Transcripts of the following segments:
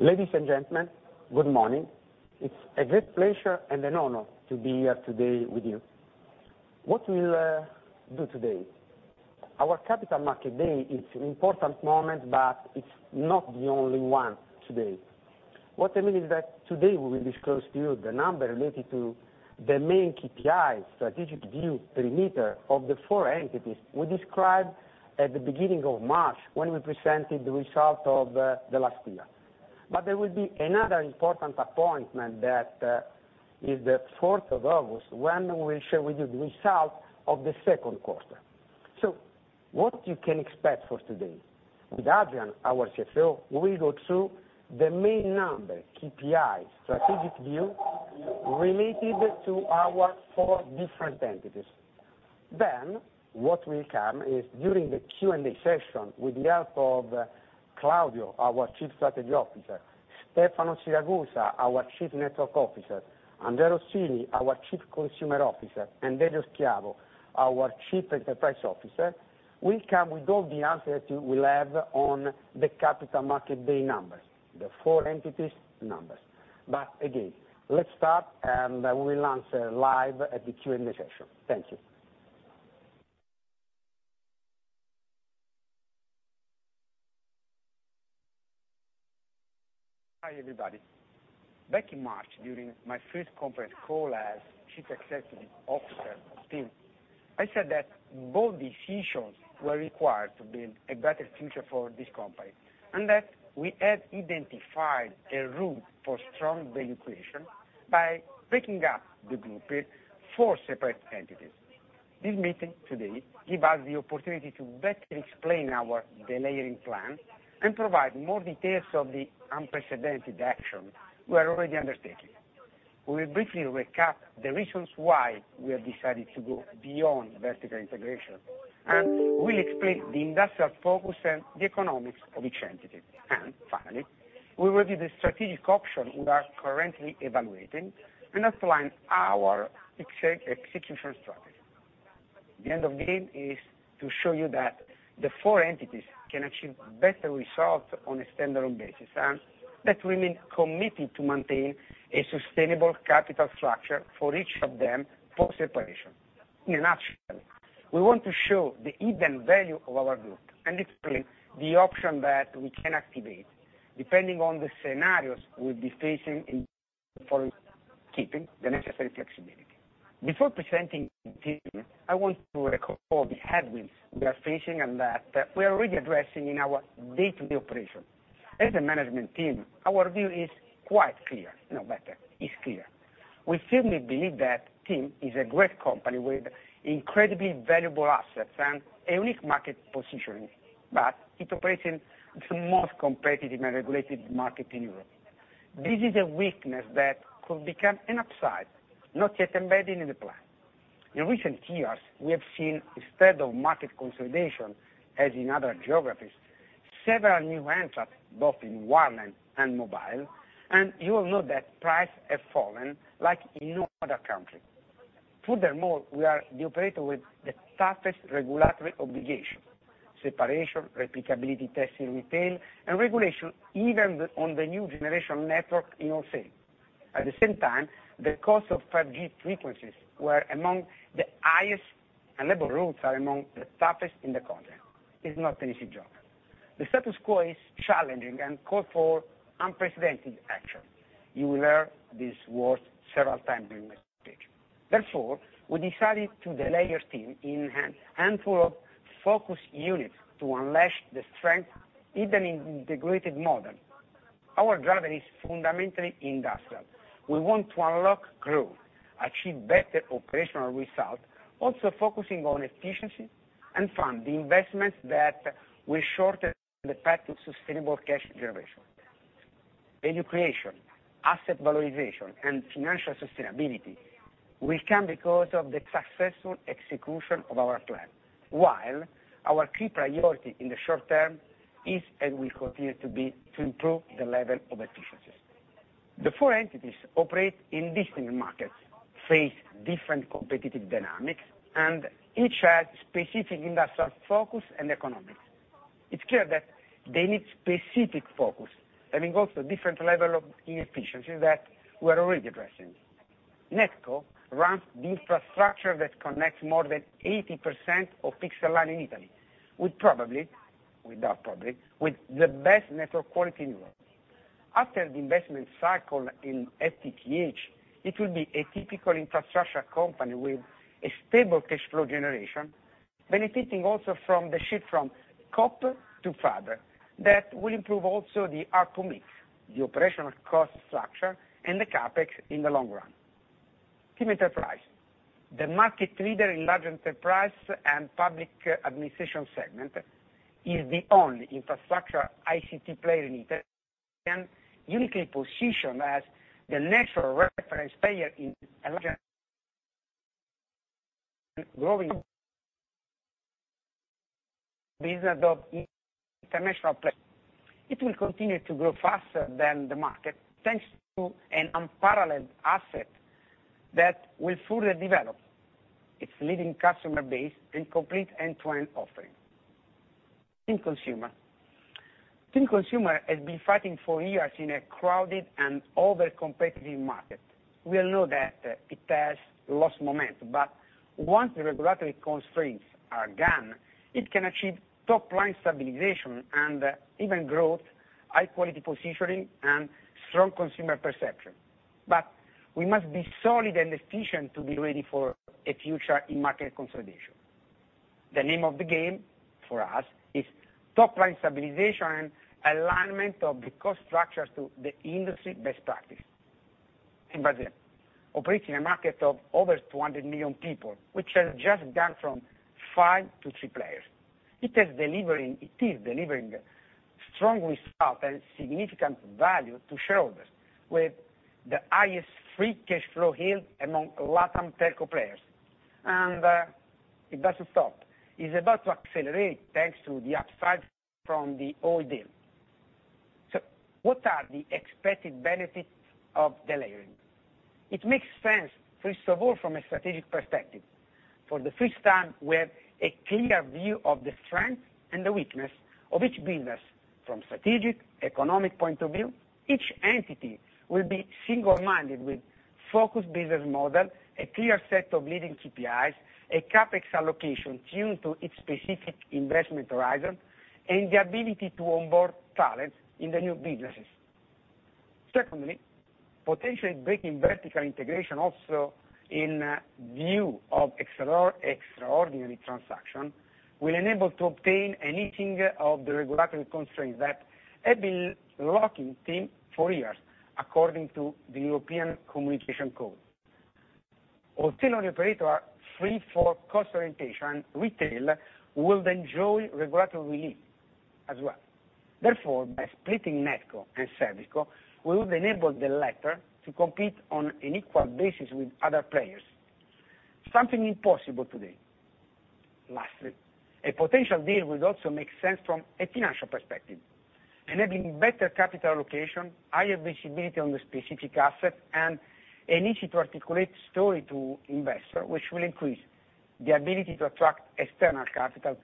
Ladies and gentlemen, good morning. It's a great pleasure and an honor to be here today with you. What we'll do today, our Capital Markets Day is an important moment, but it's not the only one today. What I mean is that today we will disclose to you the number related to the main KPI strategic view perimeter of the four entities we described at the beginning of March when we presented the result of the last year. There will be another important appointment that is the fourth of August, when we'll share with you the result of the second quarter. What you can expect for today, with Adrian, our CFO, we'll go through the main number, KPI, strategic view related to our four different entities. What will come is during the Q&A session with the help of Claudio, our Chief Strategy Officer, Stefano Siragusa, our Chief Network Officer, Andrea Rossini, our Chief Consumer Officer, and Elio Schiavo, our Chief Enterprise Officer, we come with all the answers you will have on the Capital Markets Day numbers, the four entities numbers. Again, let's start, and we'll answer live at the Q&A session. Thank you. Hi, everybody. Back in March, during my first conference call as Chief Executive Officer of TIM, I said that bold decisions were required to build a better future for this company, and that we had identified a route for strong value creation by breaking up the group in four separate entities. This meeting today give us the opportunity to better explain our delayering plan and provide more details of the unprecedented action we are already undertaking. We will briefly recap the reasons why we have decided to go beyond vertical integration, and we'll explain the industrial focus and the economics of each entity. Finally, we will give the strategic option we are currently evaluating and outline our execution strategy. The end goal is to show you that the four entities can achieve better results on a standalone basis, and that we remain committed to maintain a sustainable capital structure for each of them for separation. In a nutshell, we want to show the hidden value of our group and explain the option that we can activate depending on the scenarios we'll be facing in the following, keeping the necessary flexibility. Before presenting detail, I want to recall the headwinds we are facing and that we are already addressing in our day-to-day operation. As a management team, our view is quite clear. No, better, it's clear. We firmly believe that TIM is a great company with incredibly valuable assets and a unique market positioning, but it operates in the most competitive and regulated market in Europe. This is a weakness that could become an upside, not yet embedded in the plan. In recent years, we have seen instead of market consolidation, as in other geographies, several new entrants, both in wireline and mobile, and you all know that price has fallen like in no other country. Furthermore, we are the operator with the toughest regulatory obligation, separation, replicability testing, retail, and regulation, even on the new generation network in all segments. At the same time, the cost of 5G frequencies were among the highest, and labor rules are among the toughest in the country. It's not an easy job. The status quo is challenging and call for unprecedented action. You will hear these words several times during my speech. Therefore, we decided to delayer TIM in a handful of focused units to unleash the strength hidden in the integrated model. Our driver is fundamentally industrial. We want to unlock growth, achieve better operational results, also focusing on efficiency and fund the investments that will shorten the path to sustainable cash generation. Value creation, asset valorization, and financial sustainability will come because of the successful execution of our plan. While our key priority in the short term is, and will continue to be, to improve the level of efficiencies. The four entities operate in different markets, face different competitive dynamics, and each has specific industrial focus and economics. It's clear that they need specific focus, having also different level of inefficiencies that we are already addressing. NetCo runs the infrastructure that connects more than 80% of fixed line in Italy, with the best network quality in Europe. After the investment cycle in FTTH, it will be a typical infrastructure company with a stable cash flow generation, benefiting also from the shift from copper to fiber. That will improve also the ARPU mix, the operational cost structure, and the CapEx in the long run. TIM Enterprise, the market leader in large enterprise and public administration segment, is the only infrastructure ICT player in Italy, and uniquely positioned as the natural reference player in a large and growing business of international players. It will continue to grow faster than the market, thanks to an unparalleled asset. That will fully develop its leading customer base and complete end-to-end offering. TIM Consumer has been fighting for years in a crowded and over-competitive market. We all know that it has lost momentum, but once the regulatory constraints are gone, it can achieve top line stabilization and even growth, high-quality positioning and strong consumer perception. We must be solid and efficient to be ready for a future in market consolidation. The name of the game for us is top line stabilization and alignment of the cost structures to the industry best practice. In Brazil, it operates in a market of over 200 million people, which has just gone from 5 to 3 players. It is delivering strong results and significant value to shareholders, with the highest free cash flow yield among LATAM telco players. It doesn't stop. It's about to accelerate, thanks to the upside from the Oi deal. What are the expected benefits of delayering? It makes sense, first of all, from a strategic perspective. For the first time, we have a clear view of the strength and the weakness of each business from strategic, economic point of view. Each entity will be single-minded with focused business model, a clear set of leading KPIs, a CapEx allocation tuned to its specific investment horizon, and the ability to onboard talent in the new businesses. Secondly, potentially breaking vertical integration also in view of extraordinary transaction, will enable to obtain a lifting of the regulatory constraints that have been locking TIM for years according to the European Electronic Communications Code. Wholesale operator free from cost orientation retail would enjoy regulatory relief as well. Therefore, by splitting NetCo and ServCo, we would enable the latter to compete on an equal basis with other players. Something impossible today. Lastly, a potential deal would also make sense from a financial perspective, enabling better capital allocation, higher visibility on the specific asset, and an easy to articulate story to investor which will increase the ability to attract external capital.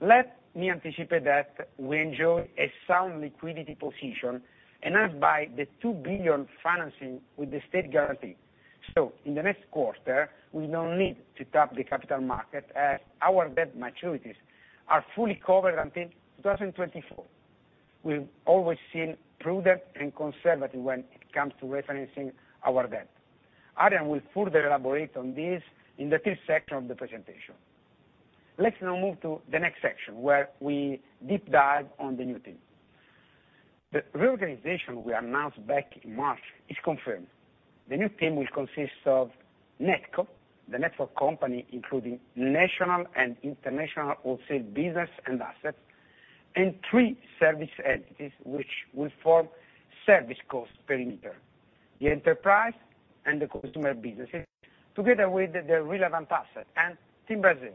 Let me anticipate that we enjoy a sound liquidity position enhanced by the 2 billion financing with the state guarantee. In the next quarter, we don't need to tap the capital market as our debt maturities are fully covered until 2024. We've always been prudent and conservative when it comes to refinancing our debt. Adrian will further elaborate on this in the third section of the presentation. Let's now move to the next section where we deep dive on the new TIM. The reorganization we announced back in March is confirmed. The new TIM will consist of NetCo, the network company, including national and international wholesale business and assets, and three service entities which will form ServiceCo perimeter. The enterprise and the consumer businesses, together with the relevant assets and TIM Brasil.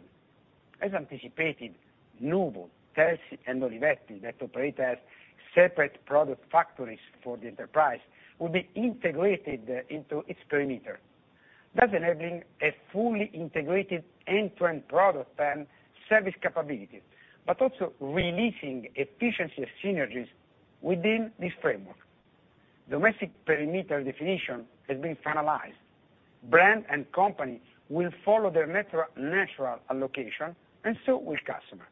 As anticipated, Noovle, Telsy, and Olivetti that operate as separate product factories for the enterprise, will be integrated into its perimeter, thus enabling a fully integrated end-to-end product and service capabilities, but also realizing efficiency synergies within this framework. Domestic perimeter definition has been finalized. Brand and company will follow their natural allocation and so will customer.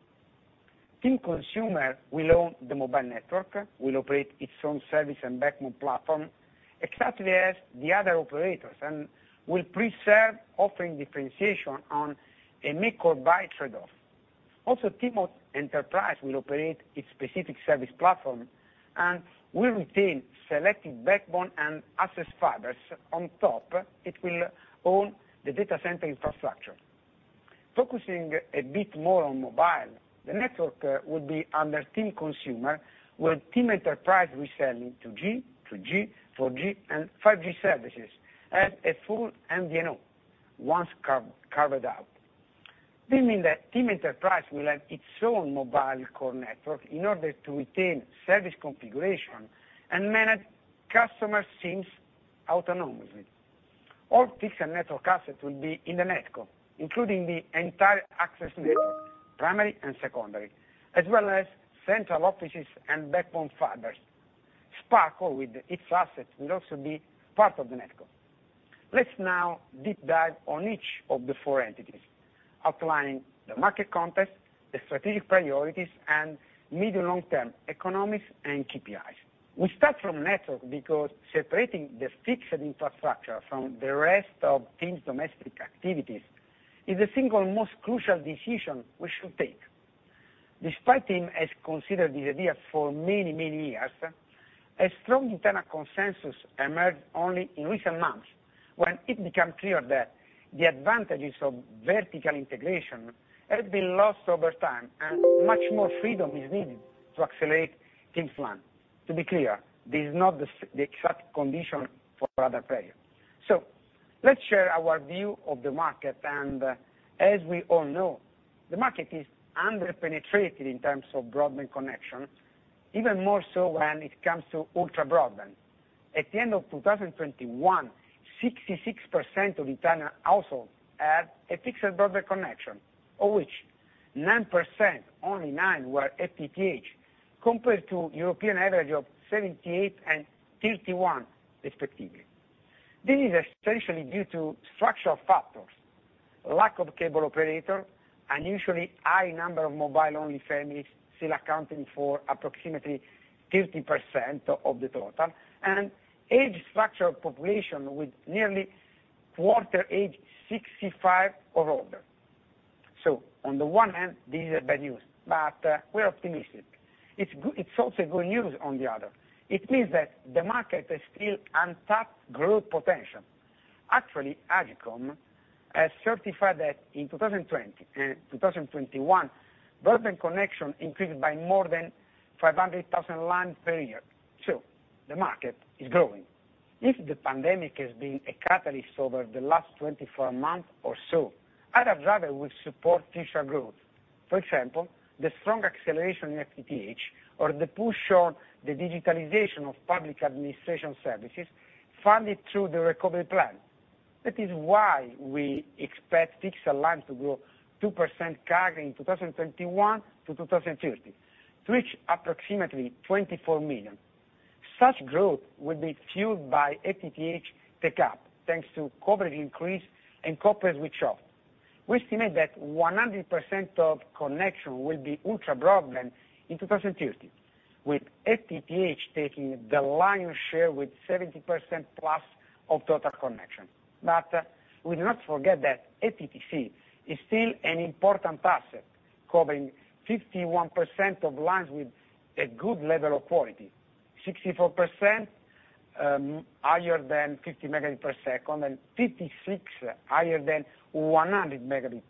TIM Consumer will own the mobile network, will operate its own service and backbone platform exactly as the other operators and will preserve offering differentiation on a make or buy trade-off. Also, TIM Enterprise will operate its specific service platform and will retain selected backbone and access fibers. On top, it will own the data center infrastructure. Focusing a bit more on mobile, the network will be under TIM Consumer, with TIM Enterprise reselling 2G, 3G, 4G, and 5G services as a full MVNO once coverage is out. This means that TIM Enterprise will have its own mobile core network in order to retain service configuration and manage customer SIMs autonomously. All fixed network assets will be in the NetCo, including the entire access network, primary and secondary, as well as central offices and backbone fibers. Sparkle with its assets will also be part of the NetCo. Let's now deep dive on each of the four entities, outlining the market context, the strategic priorities, and medium/long-term economics and KPIs. We start from network because separating the fixed infrastructure from the rest of TIM's domestic activities is the single most crucial decision we should take. Despite TIM has considered this idea for many, many years, a strong internal consensus emerged only in recent months when it became clear that the advantages of vertical integration had been lost over time and much more freedom is needed to accelerate TIM's plan. To be clear, this is not the exact condition for other players. Let's share our view of the market, and as we all know, the market is under-penetrated in terms of broadband connections. Even more so when it comes to ultra-broadband. At the end of 2021, 66% of Italian households had a fixed broadband connection, of which 9%, only 9, were FTTH, compared to European average of 78 and 31 respectively. This is essentially due to structural factors, lack of cable operator, unusually high number of mobile-only families still accounting for approximately 50% of the total, and aged structural population with nearly quarter aged 65 or older. On the one hand, this is bad news, but we're optimistic. It's also good news on the other. It means that the market has still untapped growth potential. Actually, AGCOM has certified that in 2020, 2021, broadband connection increased by more than 500,000 lines per year. The market is growing. If the pandemic has been a catalyst over the last 24 months or so, other driver will support future growth. For example, the strong acceleration in FTTH or the push on the digitalization of public administration services funded through the recovery plan. That is why we expect fixed lines to grow 2% CAGR in 2021 to 2030 to reach approximately 24 million. Such growth will be fueled by FTTH take-up, thanks to coverage increase and copper switch-off. We estimate that 100% of connection will be ultra-broadband in 2030, with FTTH taking the lion's share with 70%+ of total connection. We not forget that FTTC is still an important asset, covering 51% of lines with a good level of quality, 64% higher than 50 Mbps, and 56% higher than 100 Mbps.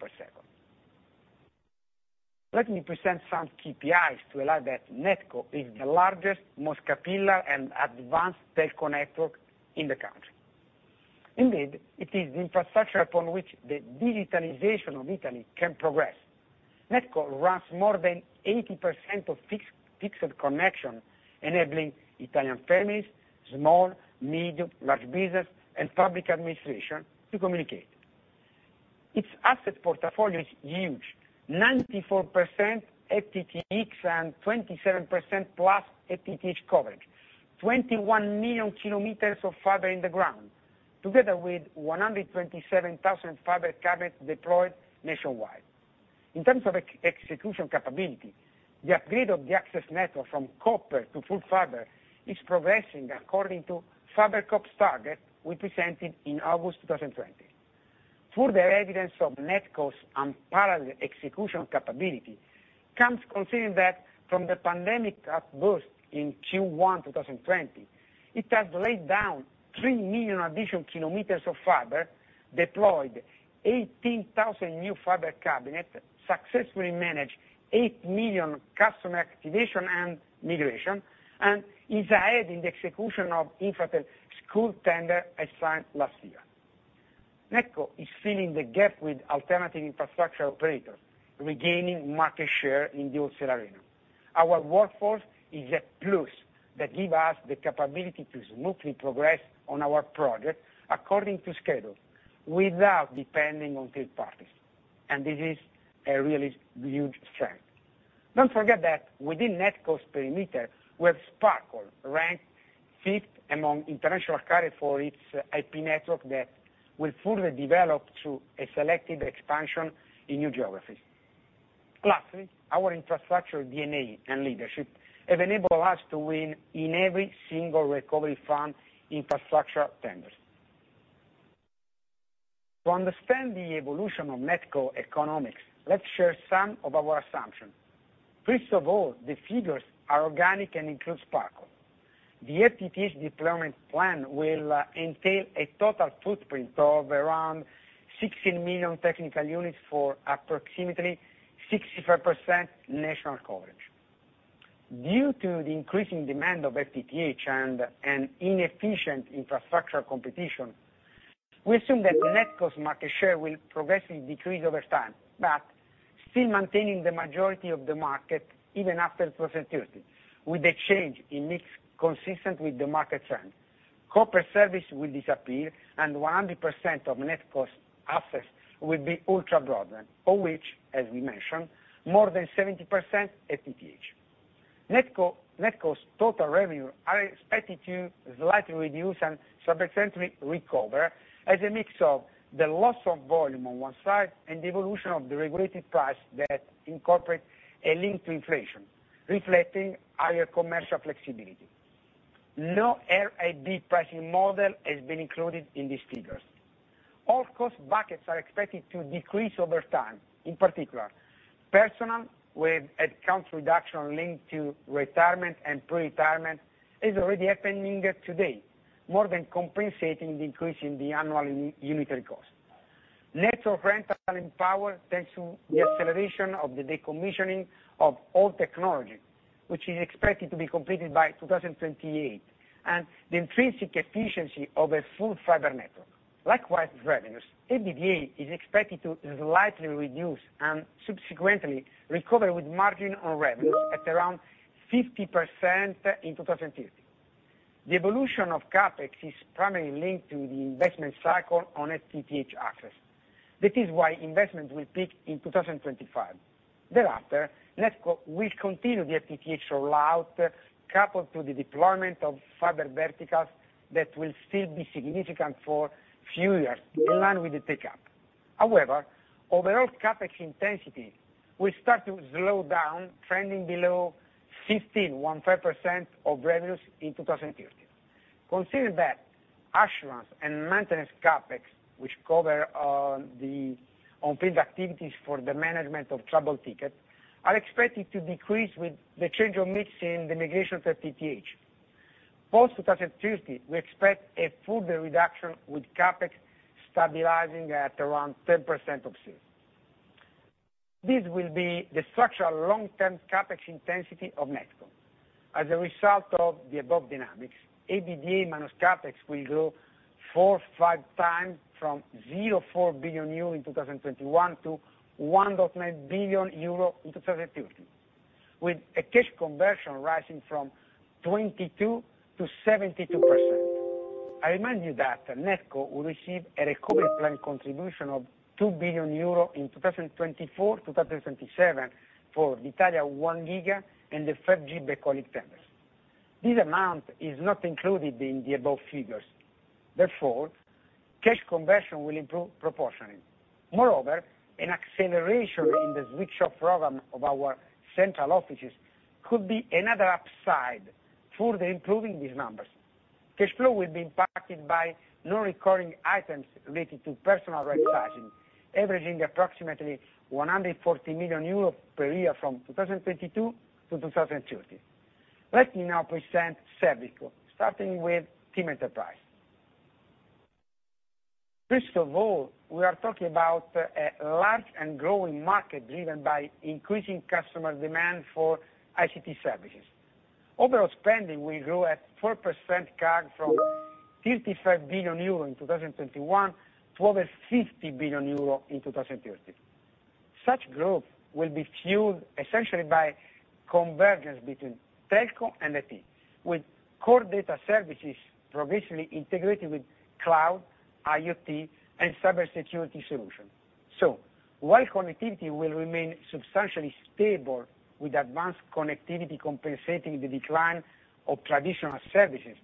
Let me present some KPIs to allow that NetCo is the largest, most capillary, and advanced telco network in the country. Indeed, it is the infrastructure upon which the digitalization of Italy can progress. NetCo runs more than 80% of fixed-line connections, enabling Italian families, small, medium, large businesses, and public administration to communicate. Its asset portfolio is huge, 94% FTTx and 27%+ FTTH coverage, 21 million km of fiber in the ground, together with 127,000 fiber cabinets deployed nationwide. In terms of execution capability, the upgrade of the access network from copper to full fiber is progressing according to FiberCop's target we presented in August 2020. Further evidence of NetCo's unparalleled execution capability comes considering that from the pandemic outbreak in Q1 2020, it has laid 3 million additional kilometers of fiber, deployed 18,000 new fiber cabinets, successfully managed 8 million customer activations and migrations, and is ahead in the execution of Infratel school tender assigned last year. NetCo is filling the gap with alternative infrastructure operators, regaining market share in the wholesale arena. Our workforce is a plus that give us the capability to smoothly progress on our project according to schedule without depending on third parties, and this is a really huge strength. Don't forget that within NetCo's perimeter, we have Sparkle, ranked fifth among international carrier for its IP network that will fully develop through a selected expansion in new geographies. Lastly, our infrastructure DNA and leadership have enabled us to win in every single recovery fund infrastructure tenders. To understand the evolution of NetCo economics, let's share some of our assumptions. First of all, the figures are organic and include Sparkle. The FTTH deployment plan will entail a total footprint of around 16 million technical units for approximately 65% national coverage. Due to the increasing demand of FTTH and an inefficient infrastructure competition, we assume that NetCo's market share will progressively decrease over time. Still maintaining the majority of the market even after 2030, with the change in mix consistent with the market trend. Corporate service will disappear, and 100% of NetCo's assets will be ultra-broadband, of which, as we mentioned, more than 70% FTTH. NetCo's total revenue are expected to slightly reduce and subsequently recover as a mix of the loss of volume on one side and the evolution of the regulated price that incorporate a link to inflation reflecting higher commercial flexibility. No RID pricing model has been included in these figures. All cost buckets are expected to decrease over time, in particular. Personnel with headcount reduction linked to retirement and pre-retirement is already happening today, more than compensating the increase in the annual unitary cost. Net of rental and power, thanks to the acceleration of the decommissioning of all technology, which is expected to be completed by 2028, and the intrinsic efficiency of a full fiber network. Likewise, revenues, EBITDA is expected to slightly reduce and subsequently recover with margin on revenue at around 50% in 2050. The evolution of CapEx is primarily linked to the investment cycle on FTTH access. That is why investment will peak in 2025. Thereafter, NetCo will continue the FTTH rollout coupled to the deployment of fiber verticals that will still be significant for few years in line with the take up. However, overall CapEx intensity will start to slow down, trending below 15% of revenues in 2030. Consider that assurance and maintenance CapEx, which cover the on-prem activities for the management of trouble ticket, are expected to decrease with the change of mix in the migration to FTTH. Post 2030, we expect a further reduction with CapEx stabilizing at around 10% of sales. This will be the structural long-term CapEx intensity of NetCo. As a result of the above dynamics, EBITDA minus CapEx will grow 4x-5x from 0.4 billion euro in 2021 to 1.9 billion euro in 2030, with a cash conversion rising from 22% to 72%. I remind you that NetCo will receive a recovery plan contribution of 2 billion euro in 2024-2027 for Italia 1 Giga and the 5G Backhauling tenders. This amount is not included in the above figures. Therefore, cash conversion will improve proportionally. Moreover, an acceleration in the switch-off program of our central offices could be another upside further improving these numbers. Cash flow will be impacted by non-recurring items related to personal rightsizing, averaging approximately 140 million euros per year from 2022 to 2030. Let me now present ServiceCo, starting with TIM Enterprise. First of all, we are talking about a large and growing market driven by increasing customer demand for ICT services. Overall spending will grow at 4% CAGR from 55 billion euro in 2021 to over 50 billion euro in 2030. Such growth will be fueled essentially by convergence between telco and IT, with core data services progressively integrated with cloud, IoT, and cybersecurity solutions. While connectivity will remain substantially stable with advanced connectivity compensating the decline of traditional services,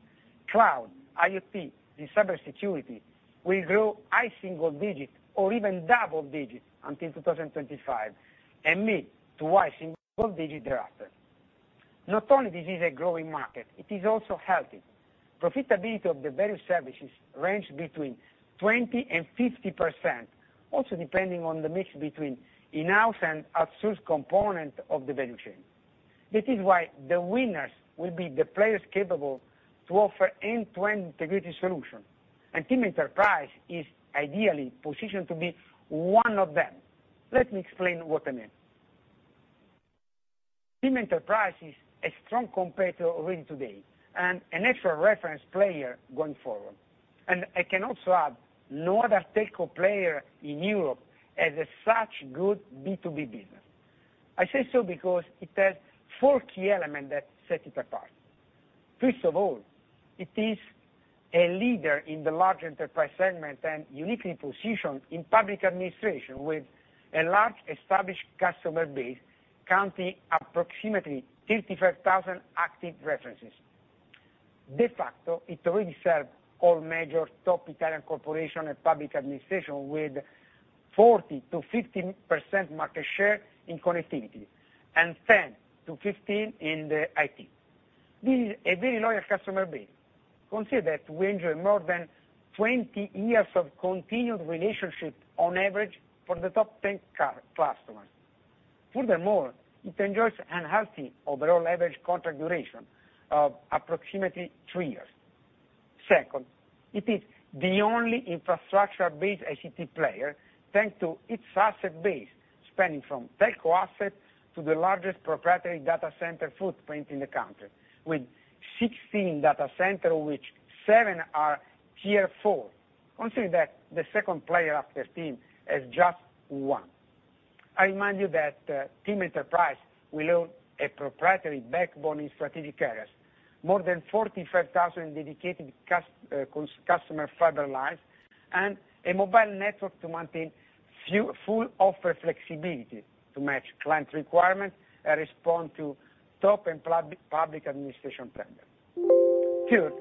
cloud, IoT, and cybersecurity will grow high single digits or even double digits until 2025 and mid to high single digit thereafter. Not only this is a growing market, it is also healthy. Profitability of the various services range between 20% and 50%, also depending on the mix between in-house and outsourced component of the value chain. This is why the winners will be the players capable to offer end-to-end integrated solution, and TIM Enterprise is ideally positioned to be one of them. Let me explain what I mean. TIM Enterprise is a strong competitor already today and a natural reference player going forward. I can also add no other telco player in Europe has such good B2B business. I say so because it has four key elements that set it apart. First of all, it is a leader in the large enterprise segment and uniquely positioned in public administration with a large established customer base counting approximately 55,000 active references. De facto, it already serves all major top Italian corporation and public administration with 40%-50% market share in connectivity and 10%-15% in the IT. This is a very loyal customer base. Consider that we enjoy more than 20 years of continued relationship on average for the top 10 customers. Furthermore, it enjoys a healthy overall average contract duration of approximately 3 years. Second, it is the only infrastructure-based ICT player, thanks to its asset base, spanning from telco assets to the largest proprietary data center footprint in the country with 16 data centers, of which 7 are Tier IV. Consider that the second player after TIM has just one. I remind you that TIM Enterprise will own a proprietary backbone in strategic areas, more than 45,000 dedicated customer fiber lines, and a mobile network to maintain full offer flexibility to match client requirements and respond to top and public administration tenders. Third,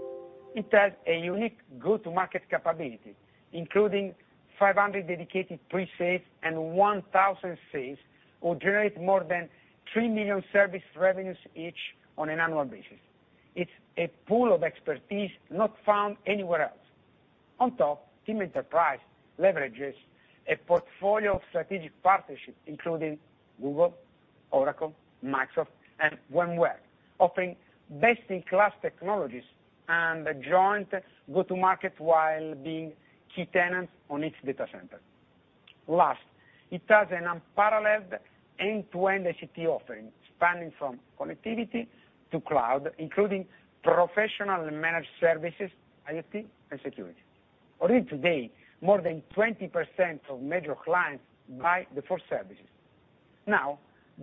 it has a unique go-to-market capability, including 500 dedicated pre-sales and 1,000 sales who generate more than 3 million service revenues each on an annual basis. It's a pool of expertise not found anywhere else. On top, TIM Enterprise leverages a portfolio of strategic partnerships, including Google, Oracle, Microsoft, and VMware, offering best-in-class technologies and a joint go-to-market while being key tenants on each data center. Last, it has an unparalleled end-to-end ICT offering spanning from connectivity to cloud, including professional and managed services, IoT, and security. Already today, more than 20% of major clients buy the four services. Now,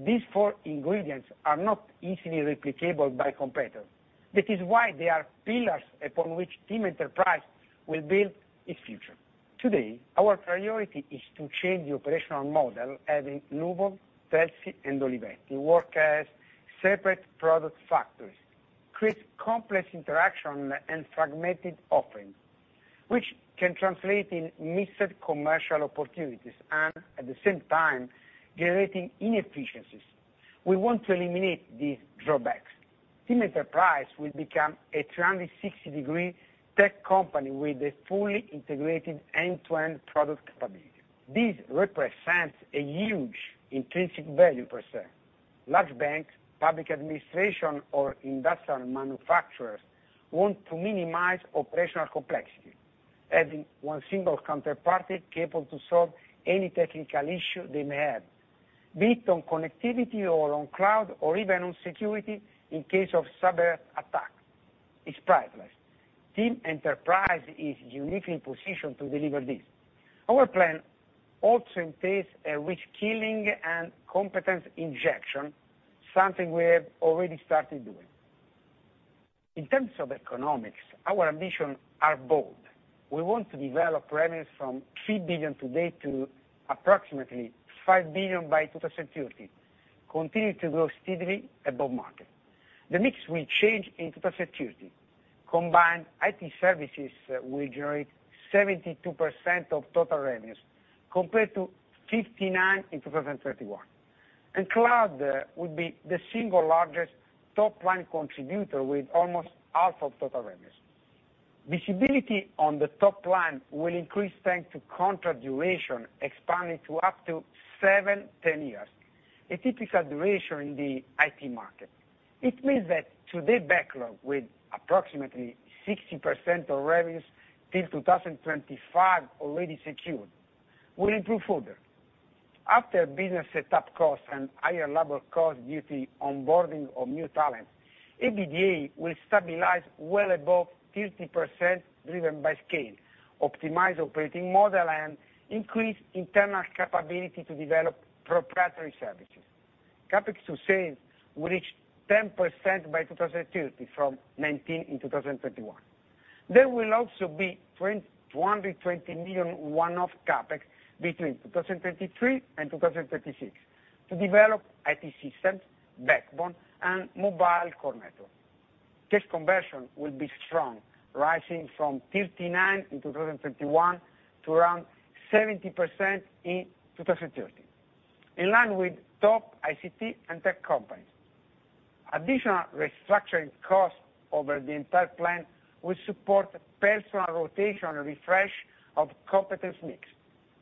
these four ingredients are not easily replicable by competitors. That is why they are pillars upon which TIM Enterprise will build its future. Today, our priority is to change the operational model, having Noovle, Telsy, and Olivetti work as separate product factories, create complex interaction and fragmented offering, which can translate in missed commercial opportunities and, at the same time, generating inefficiencies. We want to eliminate these drawbacks. TIM Enterprise will become a 360-degree tech company with a fully integrated end-to-end product capability. This represents a huge intrinsic value per se. Large banks, public administration or industrial manufacturers want to minimize operational complexity, adding one single counterparty capable to solve any technical issue they may have, be it on connectivity or on cloud or even on security in case of cyberattack. It's priceless. TIM Enterprise is uniquely positioned to deliver this. Our plan also entails a reskilling and competence injection, something we have already started doing. In terms of economics, our ambition are bold. We want to develop revenues from 3 billion today to approximately 5 billion by 2030, continuing to grow steadily above market. The mix will change in 2030. Combined IT services will generate 72% of total revenues compared to 59% in 2021. Cloud would be the single largest top-line contributor with almost half of total revenues. Visibility on the top line will increase thanks to contract duration expanding to up to 7-10 years, a typical duration in the IT market. It means that today backlog with approximately 60% of revenues till 2025 already secured will improve further. After business set up costs and higher labor costs due to onboarding of new talent, EBITDA will stabilize well above 50% driven by scale, optimize operating model, and increase internal capability to develop proprietary services. CapEx to sales will reach 10% by 2030 from 19% in 2021. There will also be 220 million one-off CapEx between 2023 and 2026 to develop IT systems, backbone, and mobile core network. Cash conversion will be strong, rising from 39% in 2021 to around 70% in 2030, in line with top ICT and tech companies. Additional restructuring costs over the entire plan will support personnel rotation and refresh of competence mix.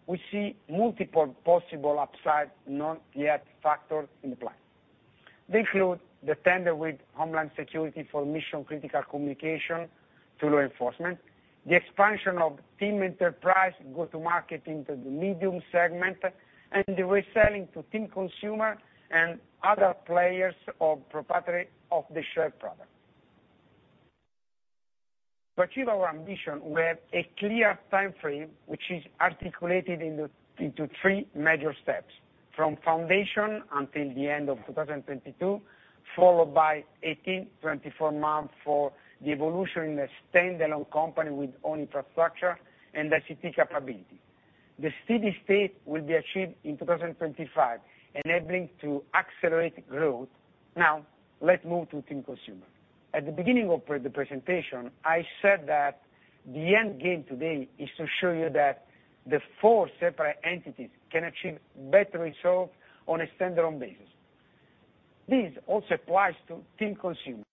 We see multiple possible upsides not yet factored in the plan. They include the tender with Ministry of Interior for mission critical communication to law enforcement, the expansion of TIM Enterprise go-to-market into the medium segment, and the reselling to TIM Consumer and other players of proprietary or the shared product. To achieve our ambition, we have a clear time frame which is articulated into three major steps. From foundation until the end of 2022, followed by 18-24 months for the evolution in a standalone company with own infrastructure and ICT capability. The steady state will be achieved in 2025, enabling to accelerate growth. Now, let's move to TIM Consumer. At the beginning of the presentation, I said that the end game today is to show you that the four separate entities can achieve better results on a standalone basis. This also applies to TIM Consumer.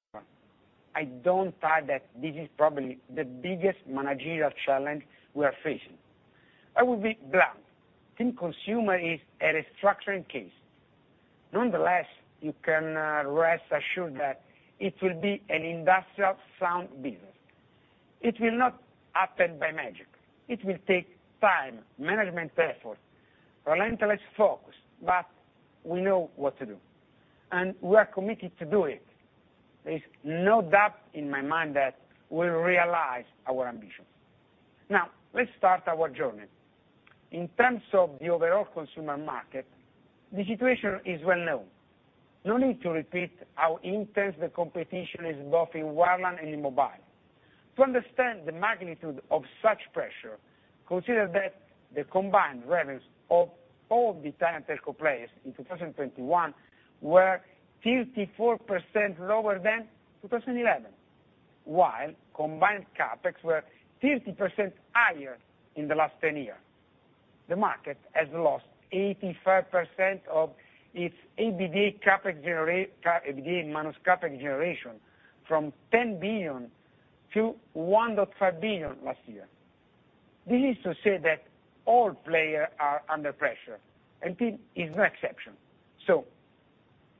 I don't hide that this is probably the biggest managerial challenge we are facing. I will be blunt. TIM Consumer is a restructuring case. Nonetheless, you can rest assured that it will be an industrially sound business. It will not happen by magic. It will take time, management effort, relentless focus, but we know what to do, and we are committed to do it. There is no doubt in my mind that we'll realize our ambitions. Now, let's start our journey. In terms of the overall consumer market, the situation is well known. No need to repeat how intense the competition is both in wireline and in mobile. To understand the magnitude of such pressure, consider that the combined revenues of all the Italian telco players in 2021 were 54% lower than 2011, while combined CapEx were 50% higher in the last 10 years. The market has lost 85% of its EBITDA minus CapEx generation from 10 billion to 1.5 billion last year. This is to say that all players are under pressure and TIM is no exception.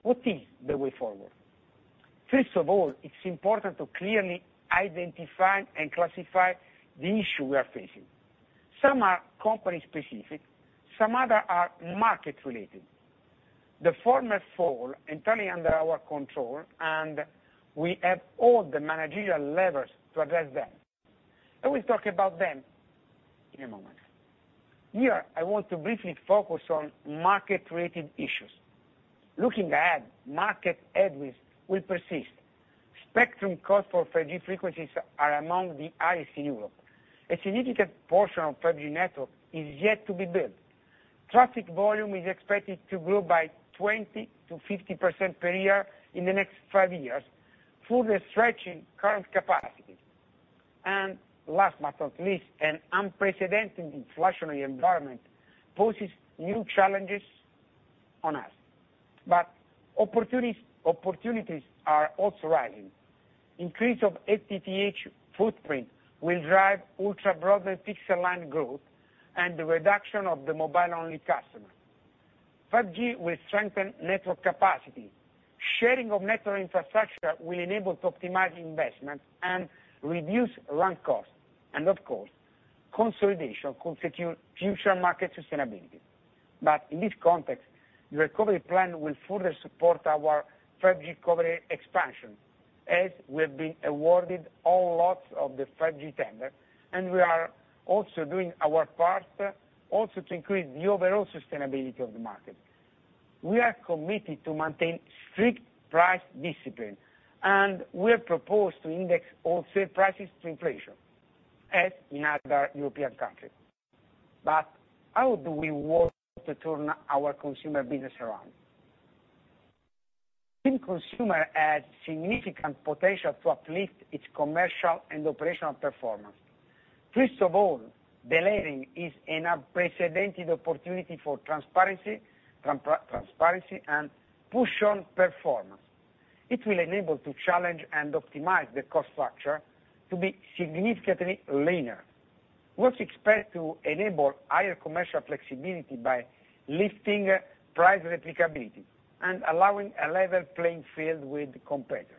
What is the way forward? First of all, it's important to clearly identify and classify the issue we are facing. Some are company specific, some other are market related. The former fall entirely under our control and we have all the managerial levers to address them. I will talk about them in a moment. Here, I want to briefly focus on market related issues. Looking ahead, market headwinds will persist. Spectrum cost for 5G frequencies are among the highest in Europe. A significant portion of 5G network is yet to be built. Traffic volume is expected to grow by 20%-50% per year in the next 5 years, further stretching current capacities. Last but not least, an unprecedented inflationary environment poses new challenges on us. Opportunities, opportunities are also rising. Increase of FTTH footprint will drive ultra-broadband fixed line growth and the reduction of the mobile-only customer. 5G will strengthen network capacity. Sharing of network infrastructure will enable to optimize investment and reduce run costs. Of course, consolidation could secure future market sustainability. In this context, the recovery plan will further support our 5G recovery expansion as we have been awarded all lots of the 5G tender, and we are also doing our part also to increase the overall sustainability of the market. We are committed to maintain strict price discipline, and we have proposed to index all sale prices to inflation, as in other European countries. How do we work to turn our consumer business around? TIM Consumer has significant potential to uplift its commercial and operational performance. First of all, delayering is an unprecedented opportunity for transparency and push on performance. It will enable to challenge and optimize the cost structure to be significantly leaner, which expect to enable higher commercial flexibility by lifting price replicability and allowing a level playing field with competitors.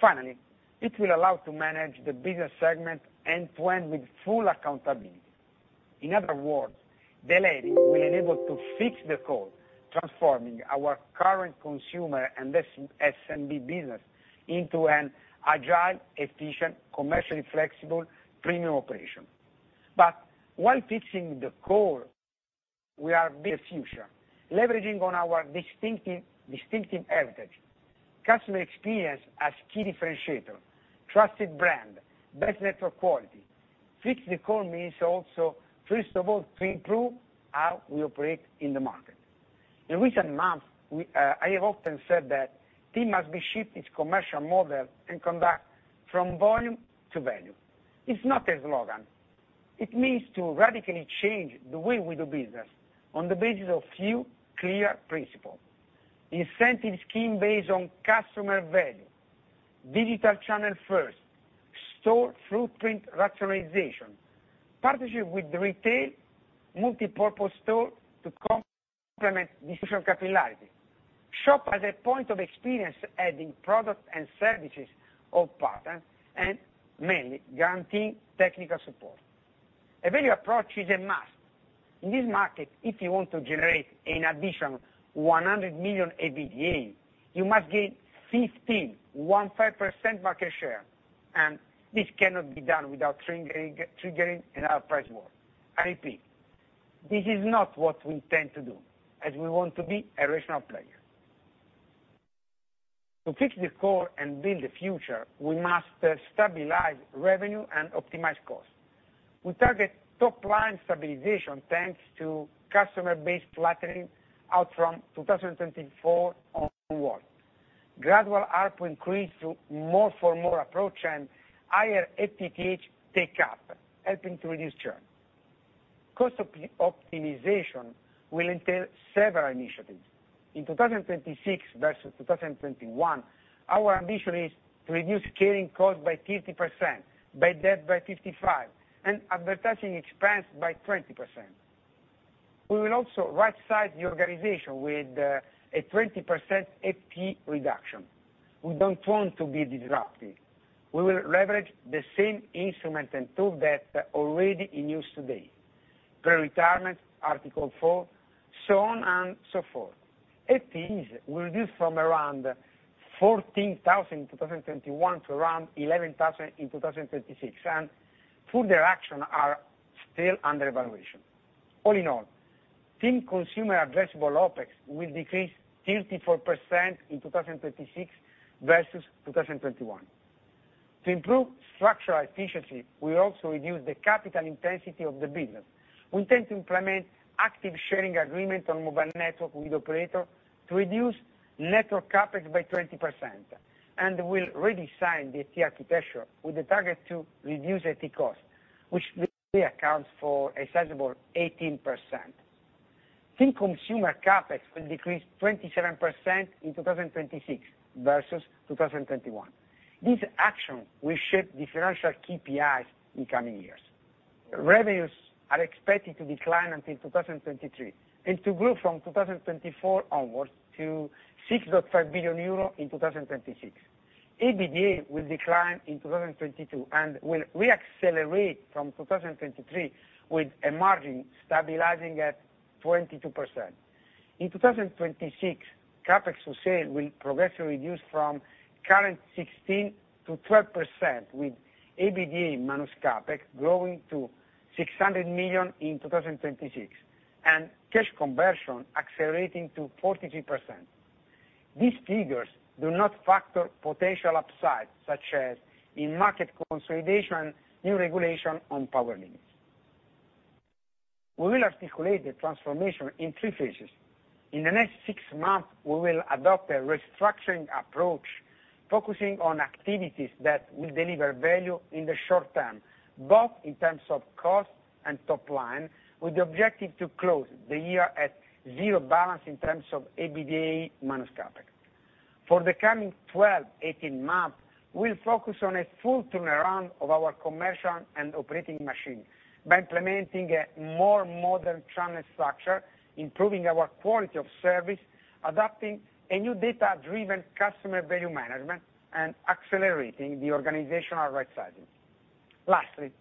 Finally, it will allow to manage the business segment end-to-end with full accountability. In other words, delayering will enable to fix the code, transforming our current consumer and this SMB business into an agile, efficient, commercially flexible premium operation. While fixing the core, we are building future, leveraging on our distinctive heritage, customer experience as key differentiator, trusted brand, best network quality. Fix the core means also, first of all, to improve how we operate in the market. In recent months, we, I have often said that TIM must shift its commercial model and conduct from volume to value. It's not a slogan. It means to radically change the way we do business on the basis of few clear principles. Incentive scheme based on customer value, digital channel first, store footprint rationalization, partnership with retail multipurpose store to complement distribution capillarity, shop as a point of experience adding products and services of partner, and mainly guaranteeing technical support. A value approach is a must. In this market, if you want to generate an additional 100 million EBITDA, you must gain 15% market share, and this cannot be done without triggering another price war. I repeat, this is not what we intend to do as we want to be a rational player. To fix the core and build the future, we must stabilize revenue and optimize costs. We target top line stabilization, thanks to customer base flattening out from 2024 onward. Gradual ARPU increase to more for more approach and higher FTTH take-up, helping to reduce churn. Cost optimization will entail several initiatives. In 2026 versus 2021, our ambition is to reduce carrying cost by 50%, debt by 55%, and advertising expense by 20%. We will also rightsize the organization with a 20% FTE reduction. We don't want to be disruptive. We will leverage the same instrument and tool that already in use today, pre-retirement, Article 4, so on and so forth. FTEs will reduce from around 14,000 in 2021 to around 11,000 in 2026, and further action are still under evaluation. All in all, TIM Consumer addressable OpEx will decrease 34% in 2026 versus 2021. To improve structural efficiency, we also reduce the capital intensity of the business. We intend to implement active sharing agreement on mobile network with operator to reduce network CapEx by 20% and will redesign the IT architecture with the target to reduce IT costs, which really accounts for a sizable 18%. TIM Consumer CapEx will decrease 27% in 2026 versus 2021. This action will shape the financial KPIs in coming years. Revenues are expected to decline until 2023, and to grow from 2024 onwards to 6.5 billion euro in 2026. EBITDA will decline in 2022 and will re-accelerate from 2023, with a margin stabilizing at 22%. In 2026, CapEx for sale will progressively reduce from current 16%-12%, with EBITDA minus CapEx growing to 600 million in 2026, and cash conversion accelerating to 43%. These figures do not factor potential upside, such as in market consolidation, new regulation on power limits. We will articulate the transformation in 3 phases. In the next 6 months, we will adopt a restructuring approach focusing on activities that will deliver value in the short term, both in terms of cost and top line, with the objective to close the year at zero balance in terms of EBITDA minus CapEx. For the coming 12, 18 months, we'll focus on a full turnaround of our commercial and operating machine by implementing a more modern channel structure, improving our quality of service, adapting a new data-driven customer value management, and accelerating the organizational rightsizing. Lastly,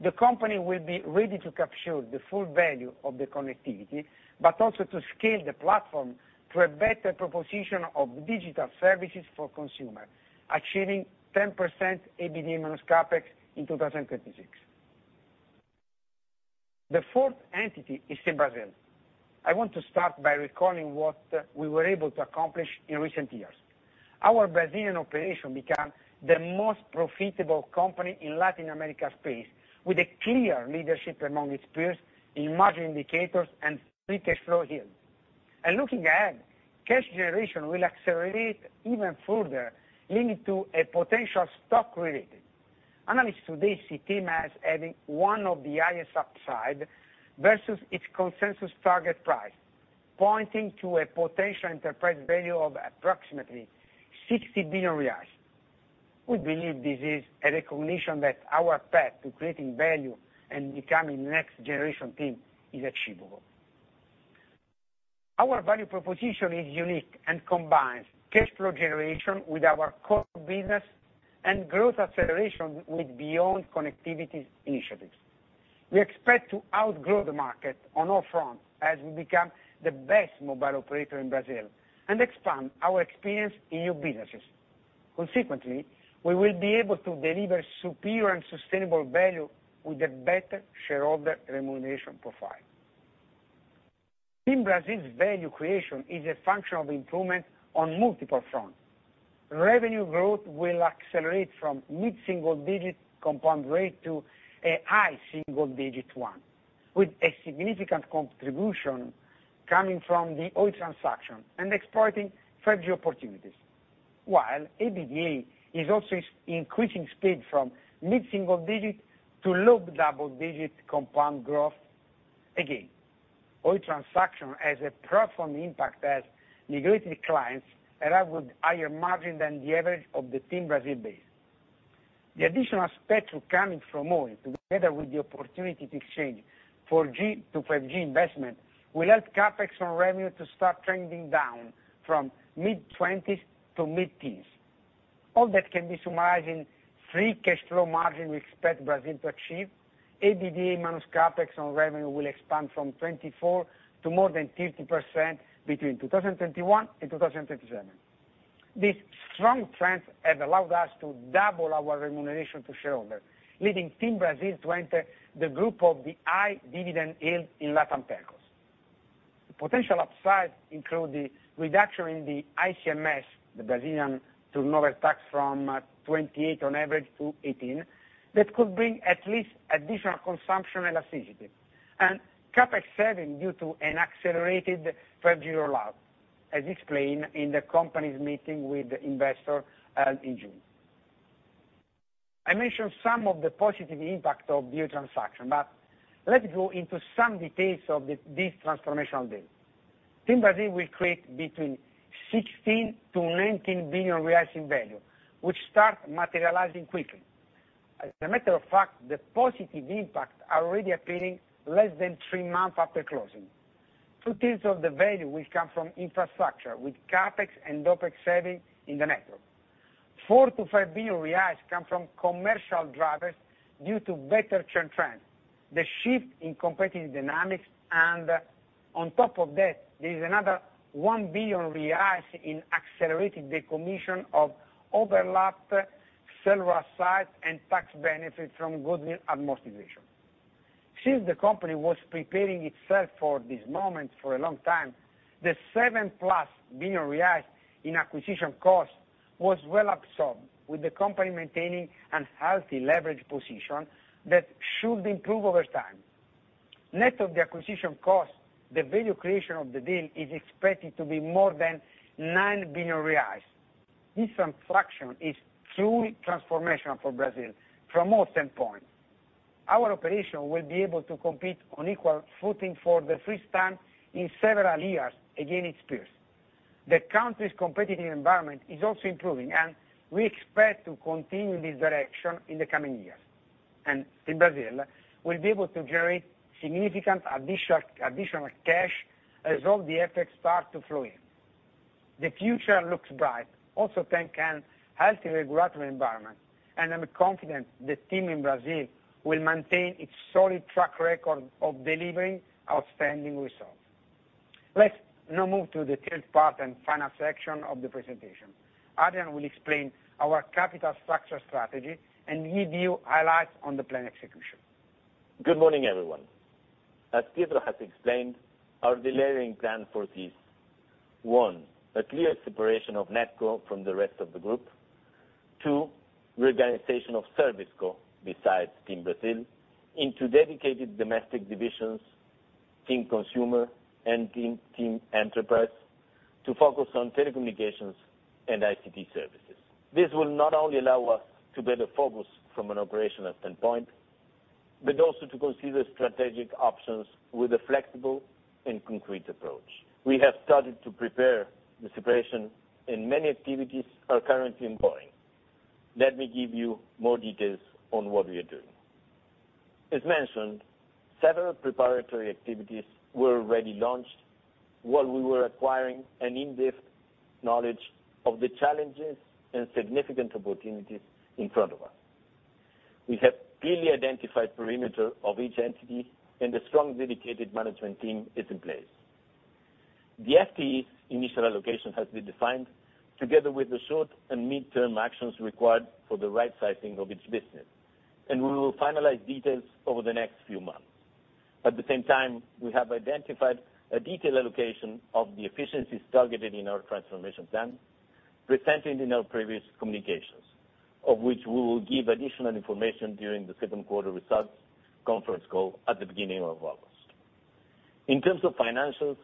the company will be ready to capture the full value of the connectivity, but also to scale the platform to a better proposition of digital services for consumer, achieving 10% EBITDA minus CapEx in 2026. The fourth entity is TIM Brasil. I want to start by recalling what we were able to accomplish in recent years. Our Brazilian operation become the most profitable company in Latin America space, with a clear leadership among its peers in margin indicators and free cash flow yield. Looking ahead, cash generation will accelerate even further, leading to a potential stock rating. Analysts today see TIM as having one of the highest upside versus its consensus target price, pointing to a potential enterprise value of approximately 60 billion reais. We believe this is a recognition that our path to creating value and becoming next generation TIM is achievable. Our value proposition is unique and combines cash flow generation with our core business and growth acceleration with beyond connectivities initiatives. We expect to outgrow the market on all fronts as we become the best mobile operator in Brazil and expand our experience in new businesses. Consequently, we will be able to deliver superior and sustainable value with a better shareholder remuneration profile. TIM Brasil's value creation is a function of improvement on multiple fronts. Revenue growth will accelerate from mid-single digit compound rate to a high single digit one, with a significant contribution coming from the Oi transaction and exploiting 5G opportunities. While EBITDA is also increasing speed from mid-single digit to low double-digit compound growth again. Oi transaction has a profound impact as migrated clients arrive with higher margin than the average of the TIM Brasil base. The additional spectrum coming from Oi, together with the opportunity to exchange 4G to 5G investment, will help CapEx on revenue to start trending down from mid-20%s to mid-teens. All that can be summarized in free cash flow margin we expect Brazil to achieve. EBITDA minus CapEx on revenue will expand from 24% to more than 30% between 2021 and 2027. These strong trends have allowed us to double our remuneration to shareholder, leading TIM Brasil to enter the group of the high dividend yield in Latin peers. The potential upside include the reduction in the ICMS, the Brazilian turnover tax, from 28% on average to 18%. That could bring at least additional consumption elasticity and CapEx saving due to an accelerated 5G rollout, as explained in the company's meeting with the investor in June. I mentioned some of the positive impact of the Oi transaction, but let's go into some details of this transformational deal. TIM Brasil will create between 16 billion-19 billion reais in value, which start materializing quickly. As a matter of fact, the positive impact already appearing less than 3 months after closing. 2/3 of the value will come from infrastructure with CapEx and OpEx saving in the network. 4 billion-5 billion reais come from commercial drivers due to better churn trend, the shift in competitive dynamics, and on top of that, there is another 1 billion reais in accelerating the commissioning of overlap cellular sites and tax benefits from goodwill amortization. Since the company was preparing itself for this moment for a long time, the 7 billion reais+ in acquisition costs was well absorbed, with the company maintaining a healthy leverage position that should improve over time. Net of the acquisition cost, the value creation of the deal is expected to be more than 9 billion reais. This transaction is truly transformational for Brazil from all standpoints. Our operation will be able to compete on equal footing for the first time in several years against its peers. The country's competitive environment is also improving, and we expect to continue this direction in the coming years. TIM Brasil will be able to generate significant additional cash as all the FX start to flow in. The future looks bright thanks to a healthy regulatory environment, and I'm confident the team in Brazil will maintain its solid track record of delivering outstanding results. Let's now move to the third part and final section of the presentation. Adrian will explain our capital structure strategy and give you highlights on the plan execution. Good morning, everyone. As Pietro has explained, our delayering plan for this, one, a clear separation of NetCo from the rest of the group. Two, reorganization of ServiceCo besides TIM Brasil into dedicated domestic divisions, TIM Consumer and TIM Enterprise to focus on telecommunications and ICT services. This will not only allow us to better focus from an operational standpoint, but also to consider strategic options with a flexible and concrete approach. We have started to prepare the separation, and many activities are currently ongoing. Let me give you more details on what we are doing. As mentioned, several preparatory activities were already launched while we were acquiring an in-depth knowledge of the challenges and significant opportunities in front of us. We have clearly identified perimeter of each entity, and a strong dedicated management team is in place. The FTE's initial allocation has been defined together with the short- and mid-term actions required for the right-sizing of its business, and we will finalize details over the next few months. At the same time, we have identified a detailed allocation of the efficiencies targeted in our transformation plan presented in our previous communications, of which we will give additional information during the second quarter results conference call at the beginning of August. In terms of financials,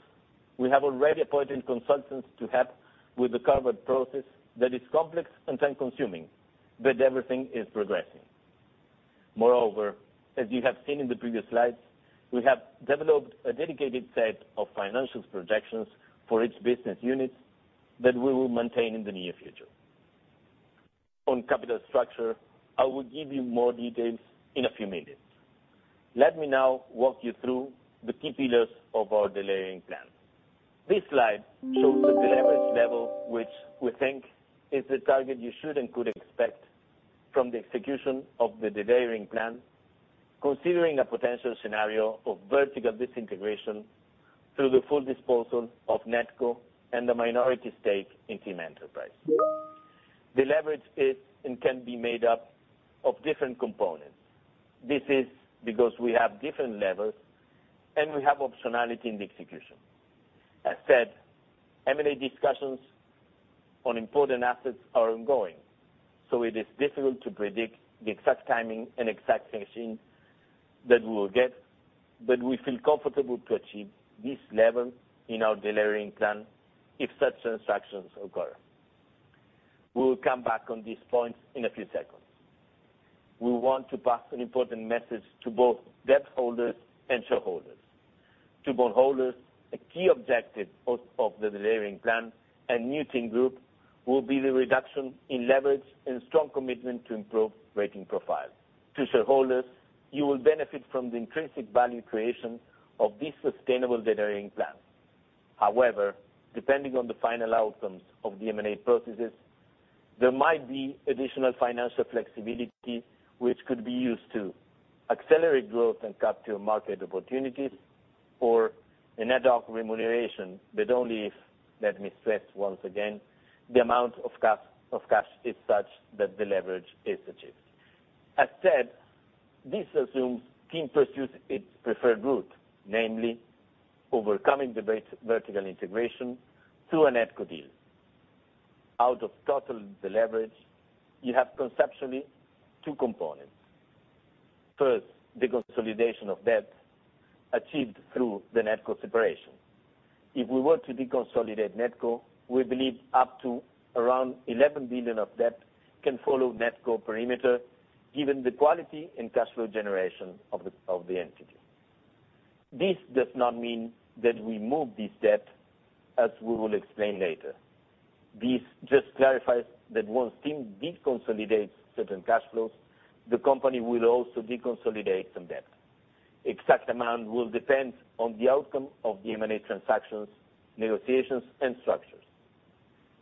we have already appointed consultants to help with the carve-out process that is complex and time-consuming, but everything is progressing. Moreover, as you have seen in the previous slides, we have developed a dedicated set of financial projections for each business unit that we will maintain in the near future. On capital structure, I will give you more details in a few minutes. Let me now walk you through the key pillars of our delayering plan. This slide shows the leverage level, which we think is the target you should and could expect from the execution of the delayering plan, considering a potential scenario of vertical disintegration through the full disposal of NetCo and the minority stake in TIM Enterprise. The leverage is and can be made up of different components. This is because we have different levels, and we have optionality in the execution. As said, M&A discussions on important assets are ongoing, so it is difficult to predict the exact timing and exact financing that we will get, but we feel comfortable to achieve this level in our delayering plan if such transactions occur. We will come back on these points in a few seconds. We want to pass an important message to both debt holders and shareholders. To bond holders, a key objective of the delayering plan and new TIM Group will be the reduction in leverage and strong commitment to improve rating profile. To shareholders, you will benefit from the intrinsic value creation of this sustainable delayering plan. However, depending on the final outcomes of the M&A processes, there might be additional financial flexibility which could be used to accelerate growth and capture market opportunities or an ad hoc remuneration, but only if, let me stress once again, the amount of cash is such that the leverage is achieved. As said, this assumes TIM pursues its preferred route, namely overcoming the vertical integration through a NetCo deal. Out of total deleverage, you have conceptually two components. First, the consolidation of debt achieved through the NetCo separation. If we were to deconsolidate NetCo, we believe up to around 11 billion of debt can follow NetCo perimeter given the quality and cash flow generation of the entity. This does not mean that we move this debt, as we will explain later. This just clarifies that once TIM deconsolidates certain cash flows, the company will also deconsolidate some debt. Exact amount will depend on the outcome of the M&A transactions, negotiations, and structures.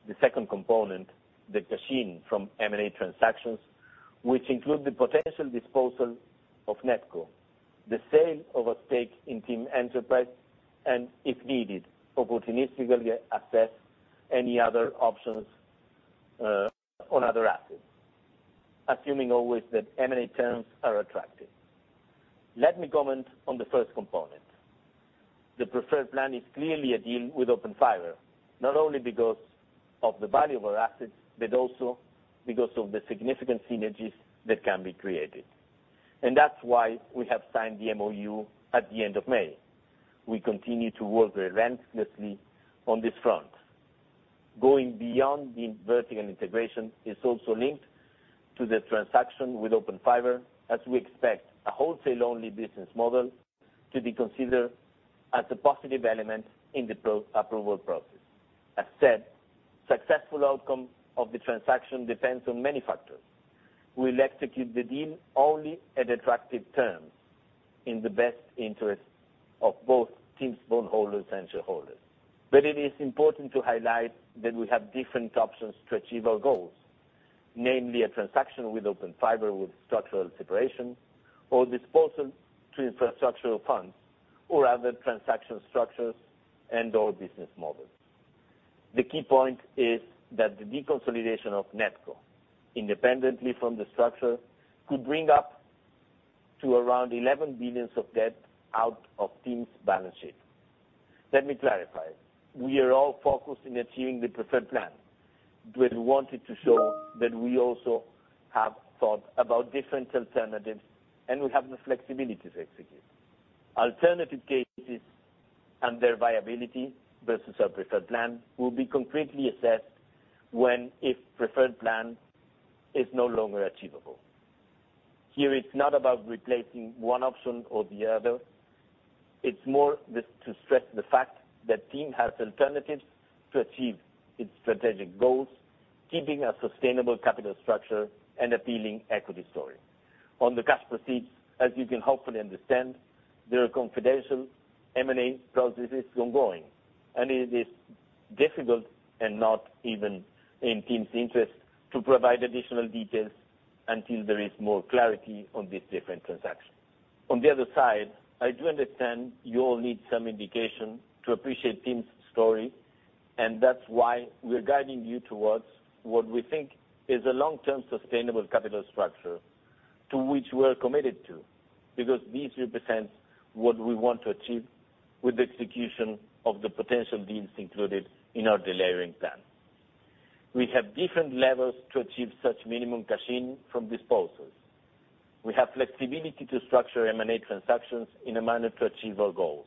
The second component, the cash-in from M&A transactions, which include the potential disposal of NetCo, the sale of a stake in TIM Enterprise and, if needed, opportunistically assess any other options on other assets, assuming always that M&A terms are attractive. Let me comment on the first component. The preferred plan is clearly a deal with Open Fiber, not only because of the value of our assets, but also because of the significant synergies that can be created, and that's why we have signed the MOU at the end of May. We continue to work relentlessly on this front. Going beyond the vertical integration is also linked to the transaction with Open Fiber, as we expect a wholesale-only business model to be considered as a positive element in the pre-approval process. As said, successful outcome of the transaction depends on many factors. We'll execute the deal only at attractive terms in the best interest of both TIM's bondholders and shareholders. It is important to highlight that we have different options to achieve our goals, namely a transaction with Open Fiber with structural separation or disposal to infrastructure funds or other transaction structures and/or business models. The key point is that the deconsolidation of NetCo, independently from the structure, could bring up to around 11 billion of debt out of TIM's balance sheet. Let me clarify. We are all focused in achieving the preferred plan, but we wanted to show that we also have thought about different alternatives, and we have the flexibility to execute. Alternative cases and their viability versus our preferred plan will be concretely assessed when if preferred plan is no longer achievable. Here, it's not about replacing one option or the other. It's more to stress the fact that TIM has alternatives to achieve its strategic goals, keeping a sustainable capital structure and appealing equity story. On the cash proceeds, as you can hopefully understand, they are confidential. M&A process is ongoing, and it is difficult and not even in TIM's interest to provide additional details until there is more clarity on these different transactions. On the other side, I do understand you all need some indication to appreciate TIM's story, and that's why we're guiding you towards what we think is a long-term sustainable capital structure to which we're committed to. Because this represents what we want to achieve with the execution of the potential deals included in our deleveraging plan. We have different levers to achieve such minimum cash in from disposals. We have flexibility to structure M&A transactions in a manner to achieve our goals.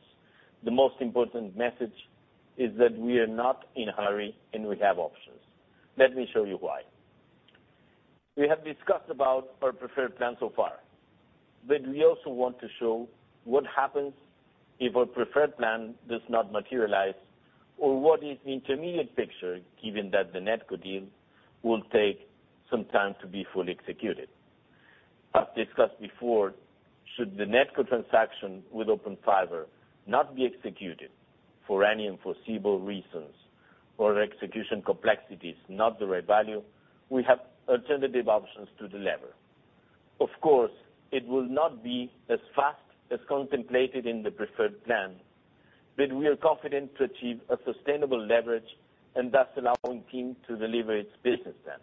The most important message is that we are not in a hurry, and we have options. Let me show you why. We have discussed about our preferred plan so far, but we also want to show what happens if our preferred plan does not materialize or what is the intermediate picture, given that the NetCo deal will take some time to be fully executed. As discussed before, should the NetCo transaction with Open Fiber not be executed for any unforeseeable reasons or execution complexities, not the right value, we have alternative options to deleverage. Of course, it will not be as fast as contemplated in the preferred plan, but we are confident to achieve a sustainable leverage and thus allowing TIM to deliver its business plan.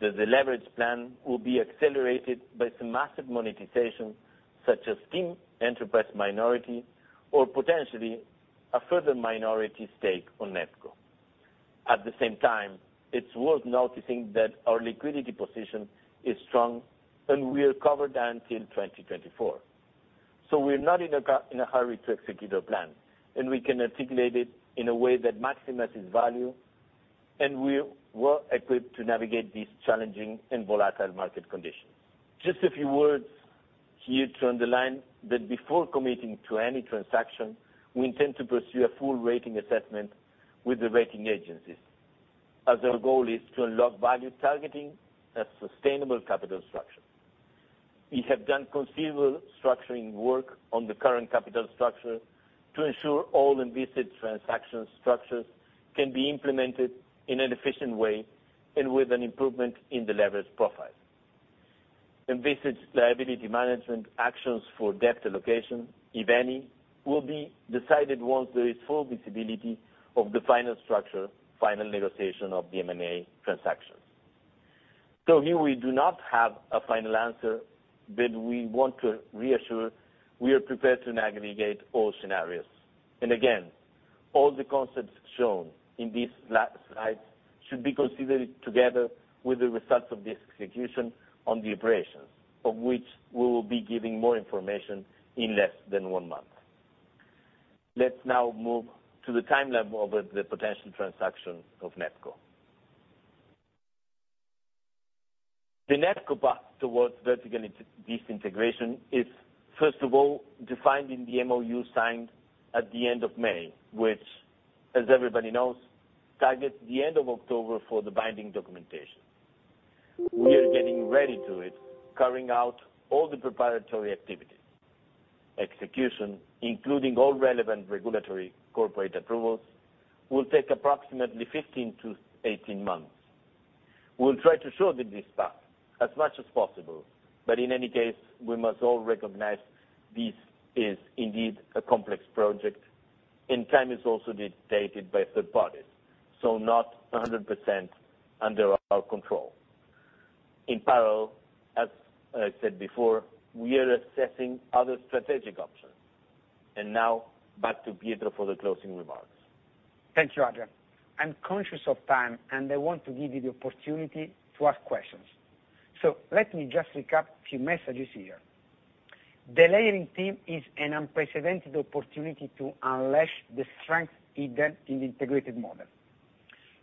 The deleverage plan will be accelerated by some massive monetization such as TIM Enterprise minority or potentially a further minority stake on NetCo. At the same time, it's worth noticing that our liquidity position is strong, and we are covered until 2024. We're not in a hurry to execute our plan, and we can articulate it in a way that maximizes value, and we're well equipped to navigate these challenging and volatile market conditions. Just a few words here to underline that before committing to any transaction, we intend to pursue a full rating assessment with the rating agencies, as our goal is to unlock value targeting a sustainable capital structure. We have done considerable structuring work on the current capital structure to ensure all envisaged transaction structures can be implemented in an efficient way and with an improvement in the leverage profile. Envisaged liability management actions for debt allocation, if any, will be decided once there is full visibility of the final structure, final negotiation of the M&A transactions. Here we do not have a final answer, but we want to reassure we are prepared to navigate all scenarios. Again, all the concepts shown in these last slides should be considered together with the results of the execution on the operations, of which we will be giving more information in less than one month. Let's now move to the timeline of the potential transaction of NetCo. The NetCo path towards vertical disintegration is first of all defined in the MOU signed at the end of May, which as everybody knows, targets the end of October for the binding documentation. We are getting ready to it, carrying out all the preparatory activities. Execution, including all relevant regulatory corporate approvals, will take approximately 15-18 months. We'll try to shorten this path as much as possible, but in any case, we must all recognize this is indeed a complex project, and time is also dictated by third parties, so not 100% under our control. In parallel, as I said before, we are assessing other strategic options. Now back to Pietro for the closing remarks. Thank you, Adrian. I'm conscious of time, and I want to give you the opportunity to ask questions. Let me just recap a few messages here. The delayering team is an unprecedented opportunity to unleash the strength hidden in the integrated model.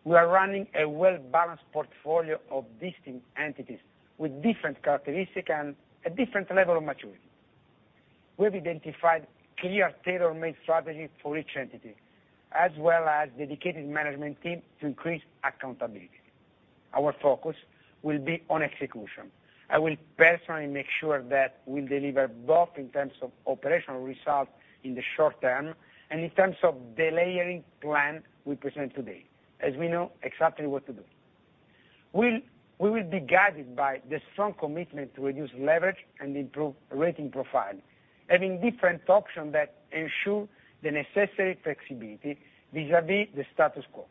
We are running a well-balanced portfolio of distinct entities with different characteristics and a different level of maturity. We have identified clear tailor-made strategy for each entity, as well as dedicated management team to increase accountability. Our focus will be on execution. I will personally make sure that we deliver both in terms of operational results in the short term and in terms of the delayering plan we present today, as we know exactly what to do. We will be guided by the strong commitment to reduce leverage and improve rating profile, having different options that ensure the necessary flexibility vis-à-vis the status quo.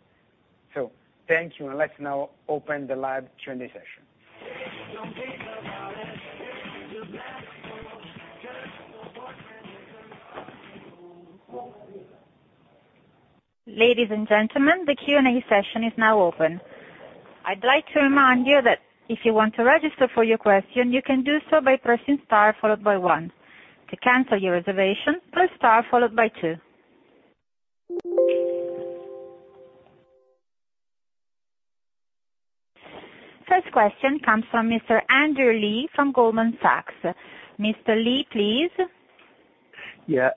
Thank you, and let's now open the live Q&A session. Ladies and gentlemen, the Q&A session is now open. I'd like to remind you that if you want to register for your question, you can do so by pressing star followed by one. To cancel your reservation, press star followed by two. First question comes from Mr. Andrew Lee from Goldman Sachs. Mr. Lee, please. Yeah.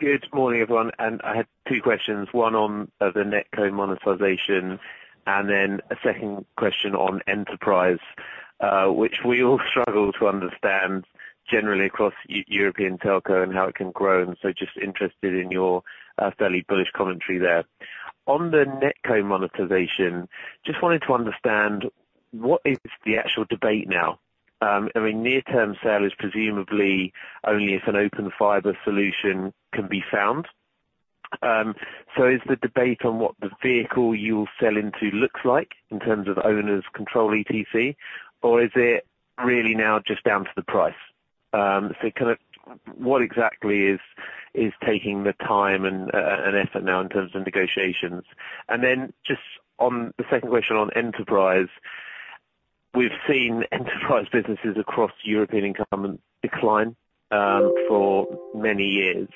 Good morning, everyone. I had two questions, one on the NetCo monetization and then a second question on enterprise, which we all struggle to understand generally across European telco and how it can grow. Just interested in your fairly bullish commentary there. On the NetCo monetization, just wanted to understand what is the actual debate now. I mean, near-term sale is presumably only if an Open Fiber solution can be found. Is the debate on what the vehicle you'll sell into looks like in terms of owners, control etc.? Or is it really now just down to the price? What exactly is taking the time and effort now in terms of negotiations? Then just on the second question on enterprise. We've seen enterprise businesses across European incumbents decline for many years.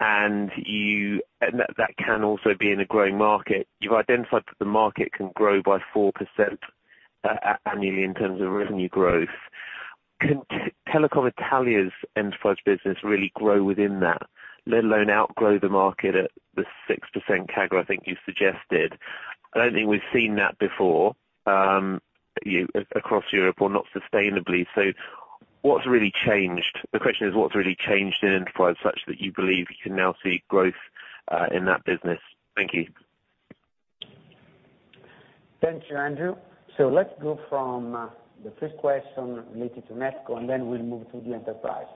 That can also be in a growing market. You've identified that the market can grow by 4% annually in terms of revenue growth. Can Telecom Italia's enterprise business really grow within that, let alone outgrow the market at the 6% CAGR, I think you suggested? I don't think we've seen that before, across Europe or not sustainably. What's really changed? The question is, what's really changed in enterprise such that you believe you can now see growth in that business? Thank you. Thank you, Andrew. Let's go from the first question related to NetCo, and then we'll move to the enterprise.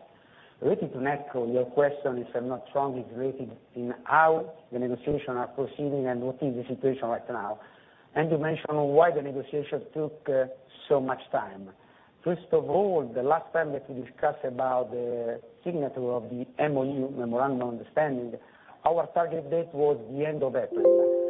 Related to NetCo, your question is, if I'm not wrong, is related in how the negotiation are proceeding and what is the situation right now, and you mention on why the negotiation took so much time. First of all, the last time that we discussed about the signature of the MoU, Memorandum of Understanding, our target date was the end of April.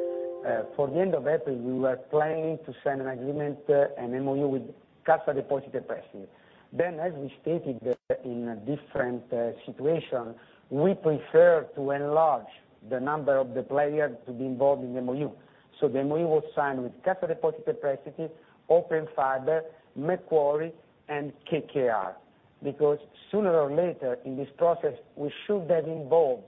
For the end of April, we were planning to sign an agreement, an MoU with Cassa Depositi e Prestiti. As we stated in a different situation, we prefer to enlarge the number of the players to be involved in the MoU. The MoU was signed with Cassa Depositi e Prestiti, Open Fiber, Macquarie and KKR, because sooner or later in this process, we should have involved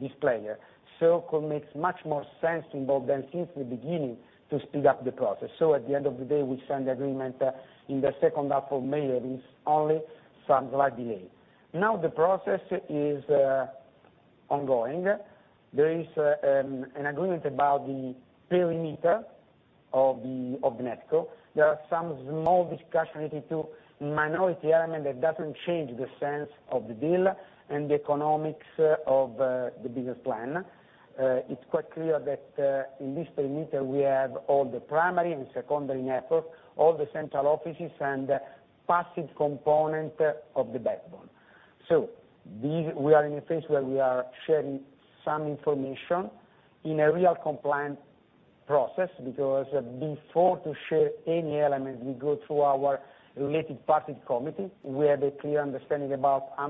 this player. It makes much more sense to involve them since the beginning to speed up the process. At the end of the day, we signed the agreement in the second half of May. That is only some slight delay. Now the process is ongoing. There is an agreement about the perimeter of the NetCo. There are some small discussion related to minority element that doesn't change the sense of the deal and the economics of the business plan. It's quite clear that in this perimeter, we have all the primary and secondary network, all the central offices and passive component of the backbone. We are in a phase where we are sharing some information in a really compliant process because before to share any element, we go through our related party committee. We have a clear understanding about how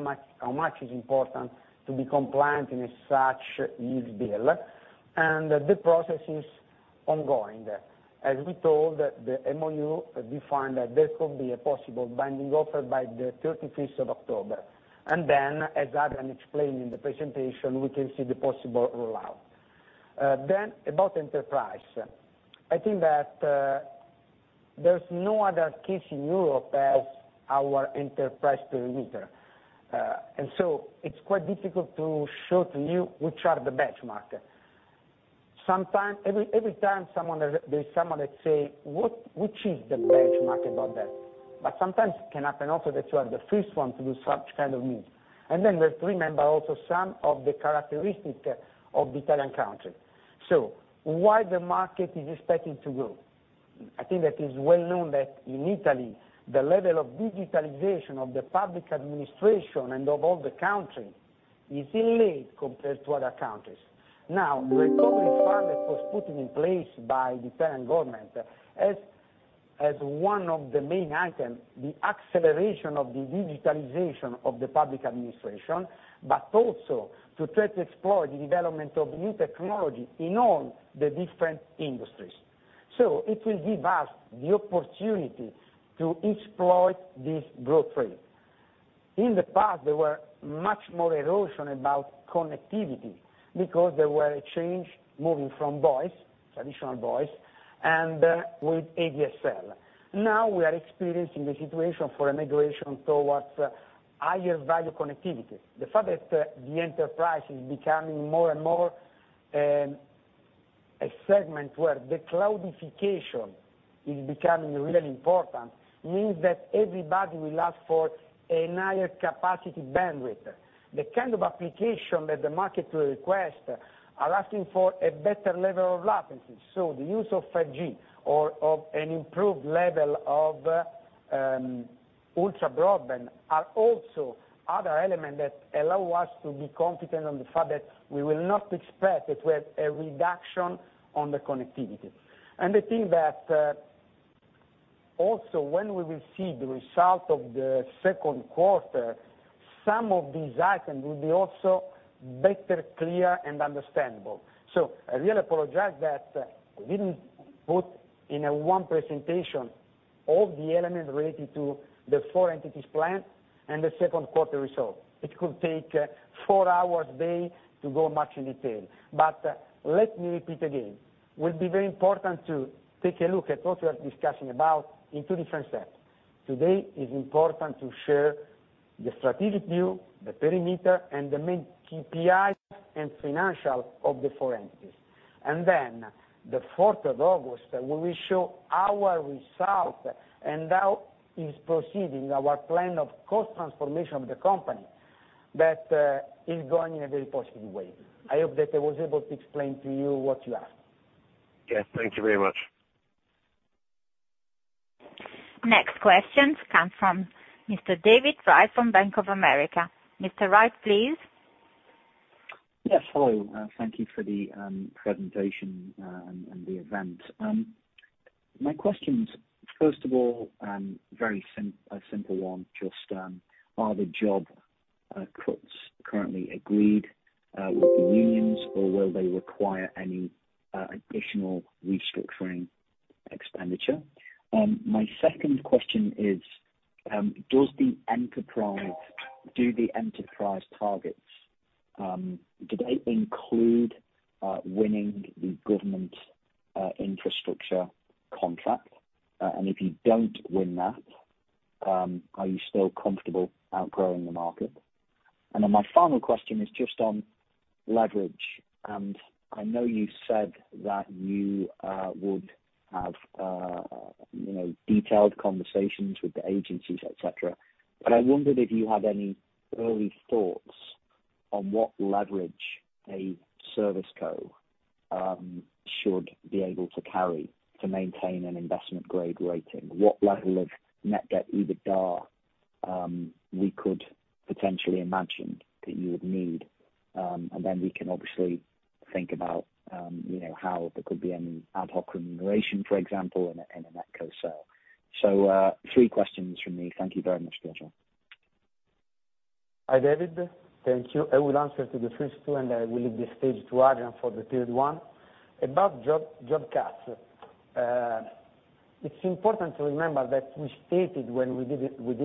much is important to be compliant in such huge deal. The process is ongoing. As we told, the MoU defined that there could be a possible binding offer by the 31st of October. As Adrian explained in the presentation, we can see the possible rollout. Then about enterprise. I think that, there's no other case in Europe as our enterprise perimeter. It's quite difficult to show to you which are the benchmark. Sometimes. Every time someone says, "What is the benchmark about that?" Sometimes it can happen also that you are the first one to do such kind of move. Then we have to remember also some of the characteristics of the Italian country. Why the market is expected to grow? I think that is well known that in Italy, the level of digitalization of the public administration and of all the country is delayed compared to other countries. Now, the recovery fund that was put in place by the Italian government has as one of the main item, the acceleration of the digitalization of the public administration, but also to try to explore the development of new technology in all the different industries. It will give us the opportunity to exploit this growth rate. In the past, there were much more erosion about connectivity because there were a change moving from voice, traditional voice and, with ADSL. Now we are experiencing a situation for a migration towards higher value connectivity. The fact that the enterprise is becoming more and more, a segment where the cloudification is becoming really important means that everybody will ask for a higher capacity bandwidth. The kind of application that the market will request are asking for a better level of latency. The use of 5G or of an improved level of, ultra broadband are also other element that allow us to be confident on the fact that we will not expect to have a reduction on the connectivity. I think that, also when we will see the result of the second quarter, some of these items will be also better clear and understandable. I really apologize that I didn't put in one presentation all the elements related to the four entities plan and the second quarter results. It could take four hours a day to go much in detail. Let me repeat again, will be very important to take a look at what we are discussing about in two different steps. Today is important to share the strategic view, the perimeter and the main KPIs and financial of the four entities. Then the fourth of August, we will show our results and how is proceeding our plan of cost transformation of the company that is going in a very positive way. I hope that I was able to explain to you what you asked. Yes, thank you very much. Next questions come from Mr. David Wright from Bank of America. Mr. Wright, please. Yes. Hello. Thank you for the presentation and the event. My questions, first of all, very simple one. Just, are the job cuts currently agreed with the unions, or will they require any additional restructuring expenditure? My second question is, do the enterprise targets include winning the government infrastructure contract? And if you don't win that, are you still comfortable outgrowing the market? Then my final question is just on leverage. I know you said that you would have, you know, detailed conversations with the agencies, et cetera, but I wondered if you had any early thoughts on what leverage a service co should be able to carry to maintain an investment grade rating. What level of net debt EBITDA we could potentially imagine that you would need, and then we can obviously think about, you know, how there could be any ad hoc remuneration, for example, in a NetCo sale. Three questions from me. Thank you very much, Giorgio. Hi, David. Thank you. I will answer to the first two, and I will leave the stage to Adrian for the third one. About job cuts, it's important to remember that we stated when we did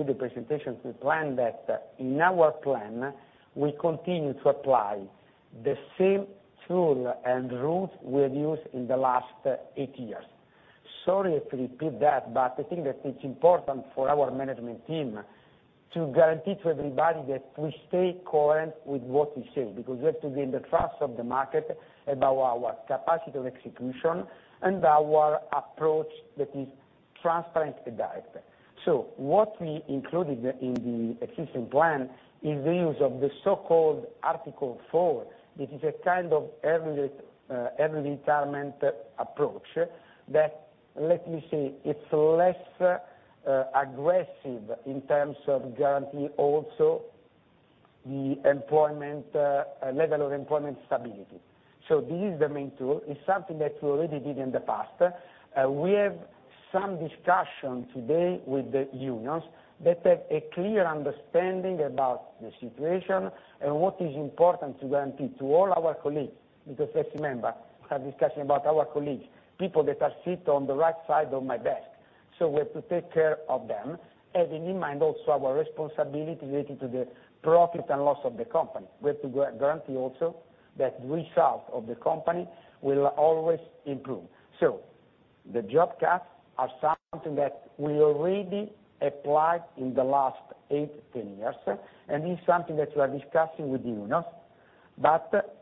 the presentation to plan that in our plan we continue to apply the same tool and route we have used in the last eight years. Sorry to repeat that, but I think that it's important for our management team to guarantee to everybody that we stay coherent with what we say, because we have to gain the trust of the market about our capacity of execution and our approach that is transparent and direct. What we included in the existing plan is the use of the so-called Article 4. It is a kind of early retirement approach that, let me say, it's less aggressive in terms of guaranteeing also the employment level of employment stability. This is the main tool. It's something that we already did in the past. We have some discussion today with the unions that have a clear understanding about the situation and what is important to guarantee to all our colleagues, because let's remember, we are discussing about our colleagues, people that are sit on the right side of my desk. We have to take care of them, having in mind also our responsibility related to the profit and loss of the company. We have to guarantee also that the results of the company will always improve. The job cuts are something that we already applied in the last 8-10 years, and it's something that we are discussing with unions.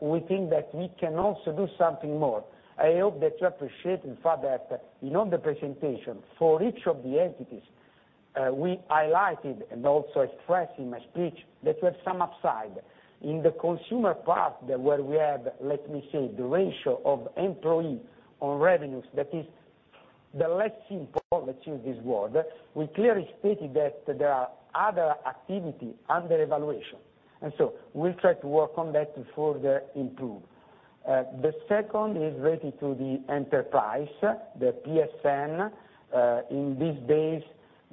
We think that we can also do something more. I hope that you appreciate the fact that in all the presentation for each of the entities, we highlighted and also expressed in my speech that we have some upside. In the consumer part where we have, let me say, the ratio of employee on revenues, that is the less important, let's use this word, we clearly stated that there are other activity under evaluation. We'll try to work on that to further improve. The second is related to the enterprise, the PSN. In these days,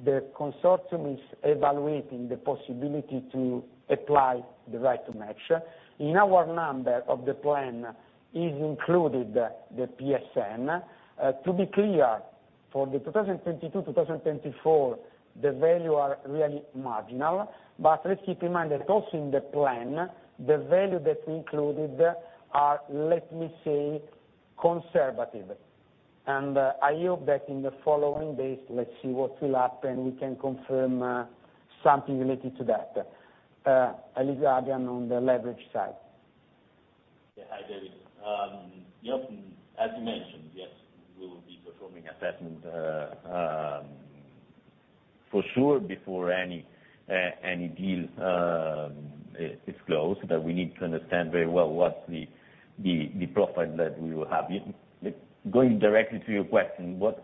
the consortium is evaluating the possibility to apply the right to match. In our number of the plan is included the PSN. To be clear, for 2022-2024, the value are really marginal. Let's keep in mind that also in the plan, the value that we included are, let me say, conservative. I hope that in the following days, let's see what will happen, we can confirm something related to that. I leave to Adrian on the leverage side. Yeah, hi, David. Yep, as you mentioned, yes, we will be performing assessment for sure before any deal is closed. That we need to understand very well what the profile that we will have. Going directly to your question, what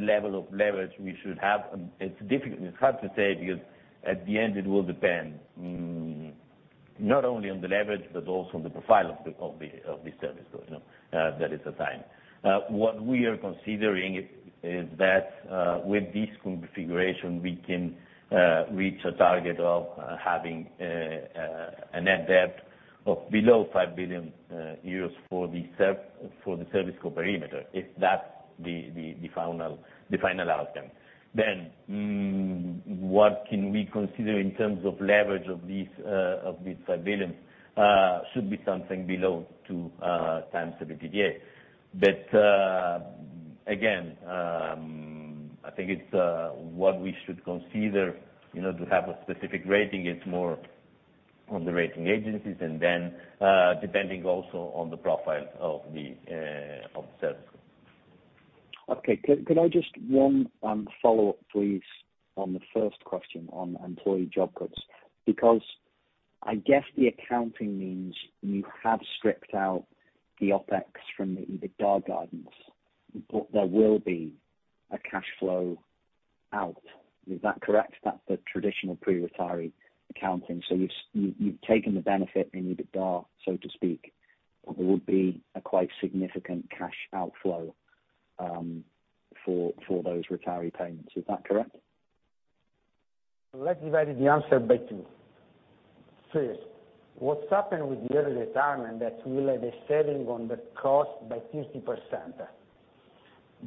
level of leverage we should have, it's difficult, it's hard to say because at the end it will depend, not only on the leverage but also on the profile of the ServiceCo, you know, that is TIM. What we are considering is that with this configuration, we can reach a target of having a net debt of below 5 billion euros for the ServiceCo perimeter, if that's the final outcome. What can we consider in terms of leverage of this 5 billion should be something below 2x the EBITDA. But again, I think it's what we should consider, you know, to have a specific rating. It's more on the rating agencies, and then depending also on the profile of the ServiceCo. Okay. Can I just one follow-up, please, on the first question on employee job cuts? Because I guess the accounting means you have stripped out the OpEx from the EBITDA guidance, but there will be a cash flow out. Is that correct? That's the traditional pre-retiree accounting. You've taken the benefit in EBITDA, so to speak, but there would be a quite significant cash outflow for those retiree payments. Is that correct? Let me divide the answer by two. First, what's happened with the early retirement that we will have a saving on the cost by 50%.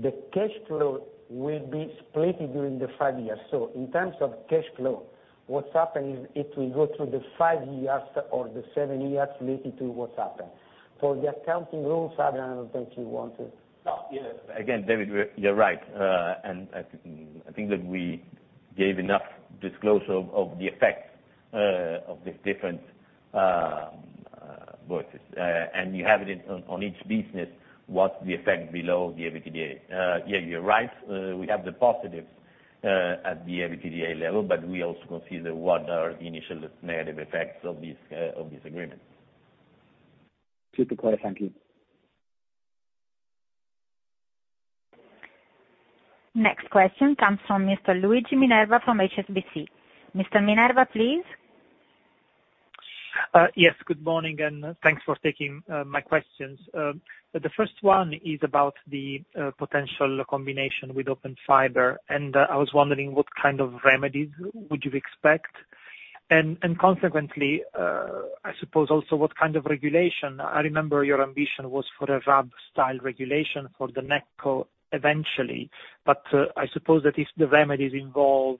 The cash flow will be split during the 5 years. In terms of cash flow, what's happened is it will go through the 5 years or the 7 years related to what's happened. The accounting rules, Adrian, I don't think you want to No. Yeah. Again, David, you're right. I think that we gave enough disclosure of the effects of these different voices. You have it in on each business, what's the effect below the EBITDA. Yeah, you're right. We have the positives at the EBITDA level, but we also consider what are the initial negative effects of this agreement. Super clear. Thank you. Next question comes from Mr. Luigi Minerva from HSBC. Mr. Minerva, please. Yes, good morning, and thanks for taking my questions. The first one is about the potential combination with Open Fiber, and I was wondering what kind of remedies would you expect. Consequently, I suppose also what kind of regulation. I remember your ambition was for a RAB-style regulation for the NetCo eventually. I suppose that if the remedies involve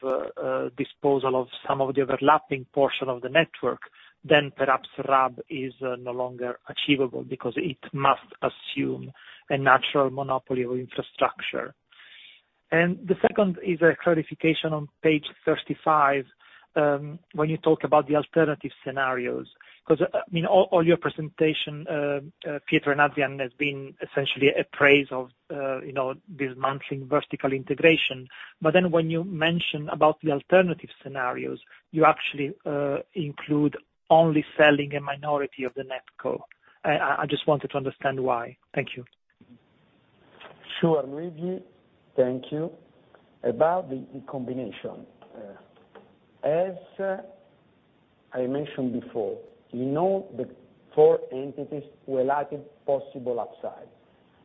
disposal of some of the overlapping portion of the network, then perhaps RAB is no longer achievable because it must assume a natural monopoly of infrastructure. The second is a clarification on page 35, when you talk about the alternative scenarios, 'cause I mean, all your presentation, Pietro and Adrian, has been essentially a praise of, you know, dismantling vertical integration. When you mention about the alternative scenarios, you actually include only selling a minority of the NetCo. I just wanted to understand why. Thank you. Sure, Luigi. Thank you. About the combination. As I mentioned before, you know the four entities related possible upside,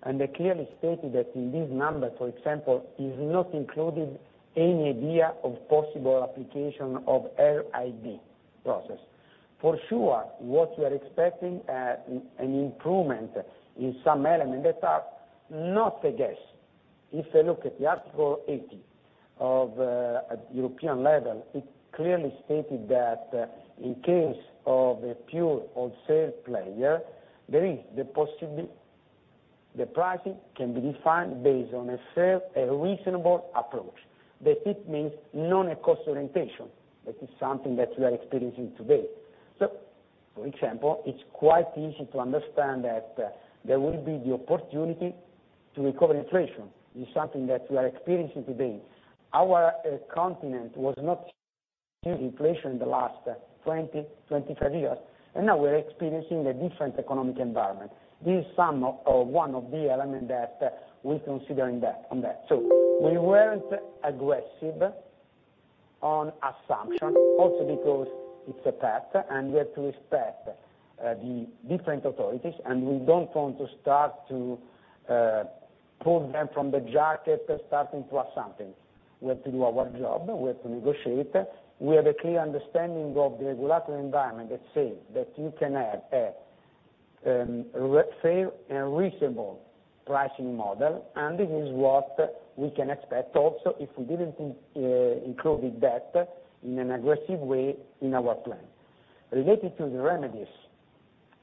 and I clearly stated that in this number, for example, is not included any idea of possible application of RAB process. For sure, what we are expecting, an improvement in some element that are not a guess. If you look at the Article 80 at European level, it clearly stated that in case of a pure wholesale player, the pricing can be defined based on a fair, reasonable approach. That it means not a cost orientation. That is something that we are experiencing today. For example, it's quite easy to understand that there will be the opportunity to recover inflation. It's something that we are experiencing today. Our continent was not seeing inflation in the last 20-25 years, and now we're experiencing a different economic environment. This is some of, or one of the element that we consider in that, on that. We weren't aggressive on assumption, also because it's a path, and we have to respect the different authorities, and we don't want to start to pull them from the jacket, starting to assume things. We have to do our job. We have to negotiate. We have a clear understanding of the regulatory environment that says that you can have a fair and reasonable pricing model, and this is what we can expect also if we didn't include that in an aggressive way in our plan. Related to the remedies,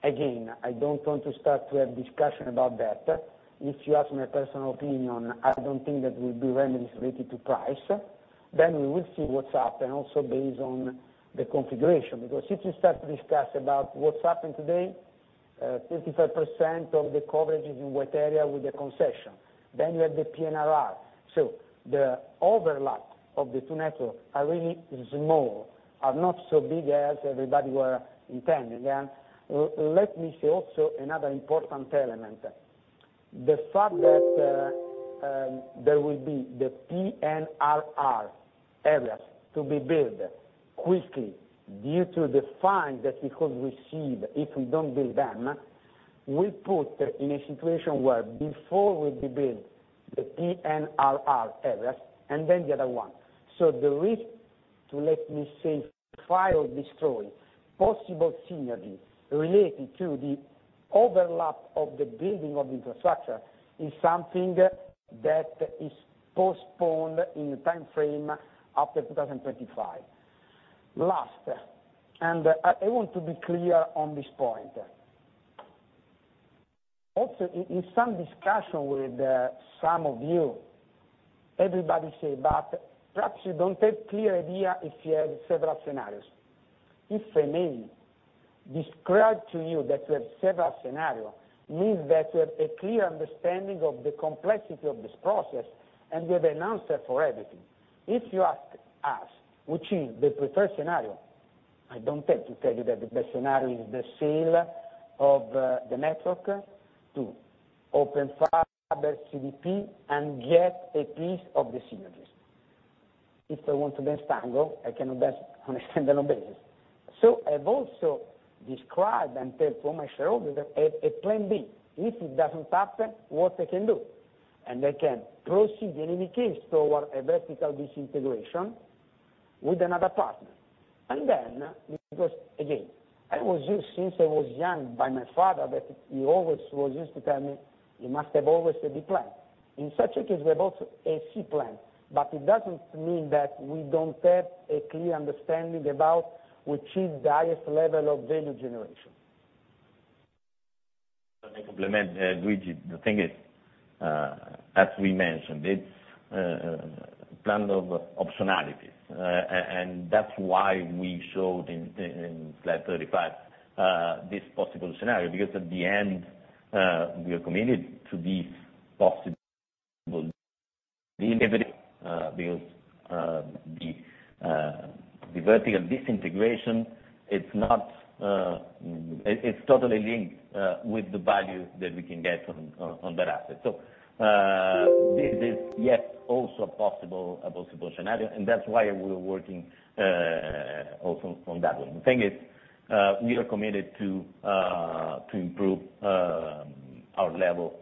again, I don't want to start to have discussion about that. If you ask my personal opinion, I don't think that will be remedies related to price. We will see what's up, and also based on the configuration. Because if you start to discuss about what's happened today, 55% of the coverage is in white area with the concession. You have the PNRR. The overlap of the two network are really small, are not so big as everybody were intending. Let me say also another important element. The fact that there will be the PNRR areas to be built quickly due to the fine that we could receive if we don't build them, will put in a situation where before we build the PNRR areas and then the other one. The risk to, let me say, try or destroy possible synergies related to the overlap of the building of infrastructure is something that is postponed in the timeframe after 2025. Last, I want to be clear on this point. In some discussion with some of you, everybody say, "But perhaps you don't have clear idea if you have several scenarios." If I may describe to you that we have several scenario means that we have a clear understanding of the complexity of this process, and we have an answer for everything. If you ask us which is the preferred scenario, I don't have to tell you that the best scenario is the sale of the network to Open Fiber, CDP, and get a piece of the synergies. If they want to then strangle, I cannot understand on the basis. I've also described and told my shareholders a plan B. If it doesn't happen, what I can do? I can proceed in any case toward a vertical disintegration with another partner. Because, again, I was used, since I was young, by my father, that he always was used to tell me, "You must have always a B plan." In such a case, we have also a C plan. It doesn't mean that we don't have a clear understanding about which is the highest level of value generation. Let me compliment Luigi. The thing is, as we mentioned, it's plan of optionalities. That's why we showed in slide 35 this possible scenario, because at the end, we are committed to this possible deleveraging, because the vertical disintegration, it's not, it's totally linked with the value that we can get from on that asset. This is, yes, also a possible scenario, and that's why we're working also from that one. The thing is, we are committed to improve our level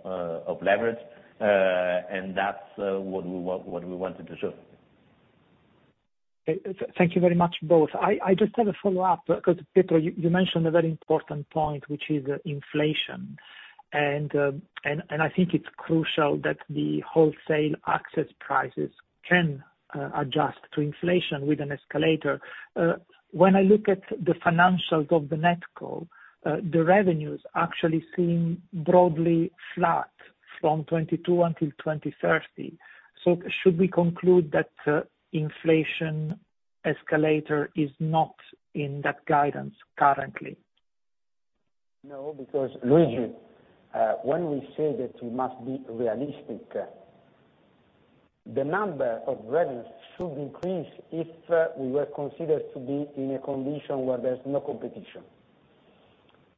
of leverage, and that's what we wanted to show. Thank you very much, both. I just have a follow-up because Pietro, you mentioned a very important point, which is inflation. I think it's crucial that the wholesale access prices can adjust to inflation with an escalator. When I look at the financials of the NetCo, the revenues actually seem broadly flat from 2022 until 2030. Should we conclude that inflation escalator is not in that guidance currently? No, because Luigi, when we say that we must be realistic, the number of revenues should increase if we were considered to be in a condition where there's no competition.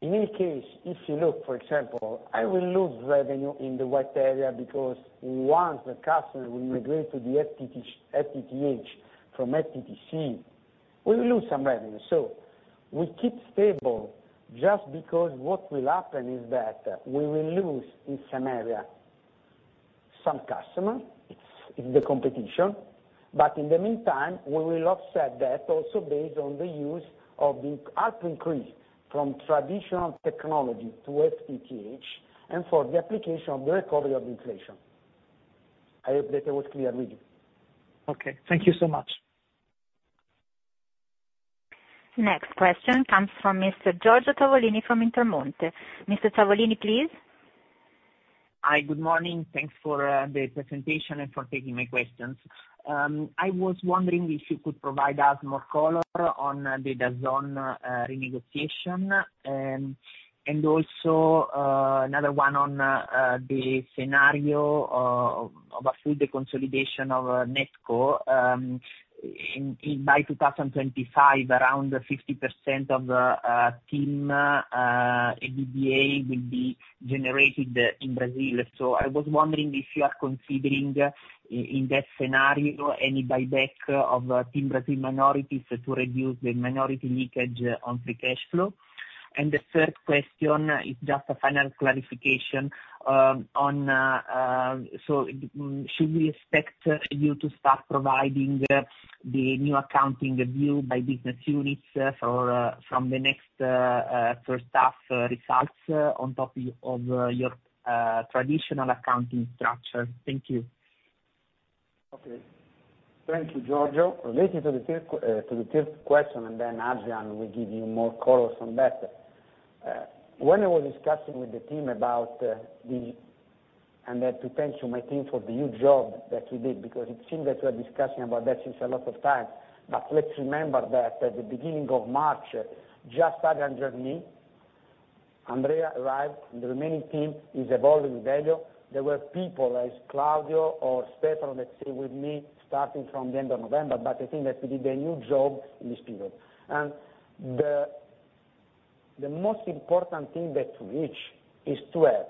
In any case, if you look, for example, I will lose revenue in the white area because once the customer will migrate to the FTTH from FTTC, we will lose some revenue. We keep stable just because what will happen is that we will lose in some area some customer. It's the competition. In the meantime, we will offset that also based on the use of the up increase from traditional technology to FTTH and for the application of the recovery of inflation. I hope that I was clear, Luigi. Okay. Thank you so much. Next question comes from Mr. Giorgio Tavolini from Intermonte. Mr. Tavolini, please. Hi, good morning. Thanks for the presentation and for taking my questions. I was wondering if you could provide us more color on the DAZN renegotiation. Another one on the scenario through the consolidation of NetCo. In by 2025, around 50% of TIM EBITDA will be generated in Brazil. I was wondering if you are considering in that scenario any buyback of TIM Brasil minorities to reduce the minority leakage on free cash flow. The third question is just a final clarification on, so should we expect you to start providing the new accounting view by business units from the next first half results on top of your traditional accounting structure? Thank you. Okay. Thank you, Giorgio. Related to the third question, and then Adrian will give you more color on that. When I was discussing with the team about the I have to thank to my team for the huge job that we did, because it seems that we're discussing about that since a lot of time. Let's remember that at the beginning of March, just Adrian and me, Andrea arrived, and the remaining team is involved with Dario. There were people, as Claudio or Stefano, that stay with me starting from the end of November. I think that we did a huge job in this period. The most important thing that we reach is to have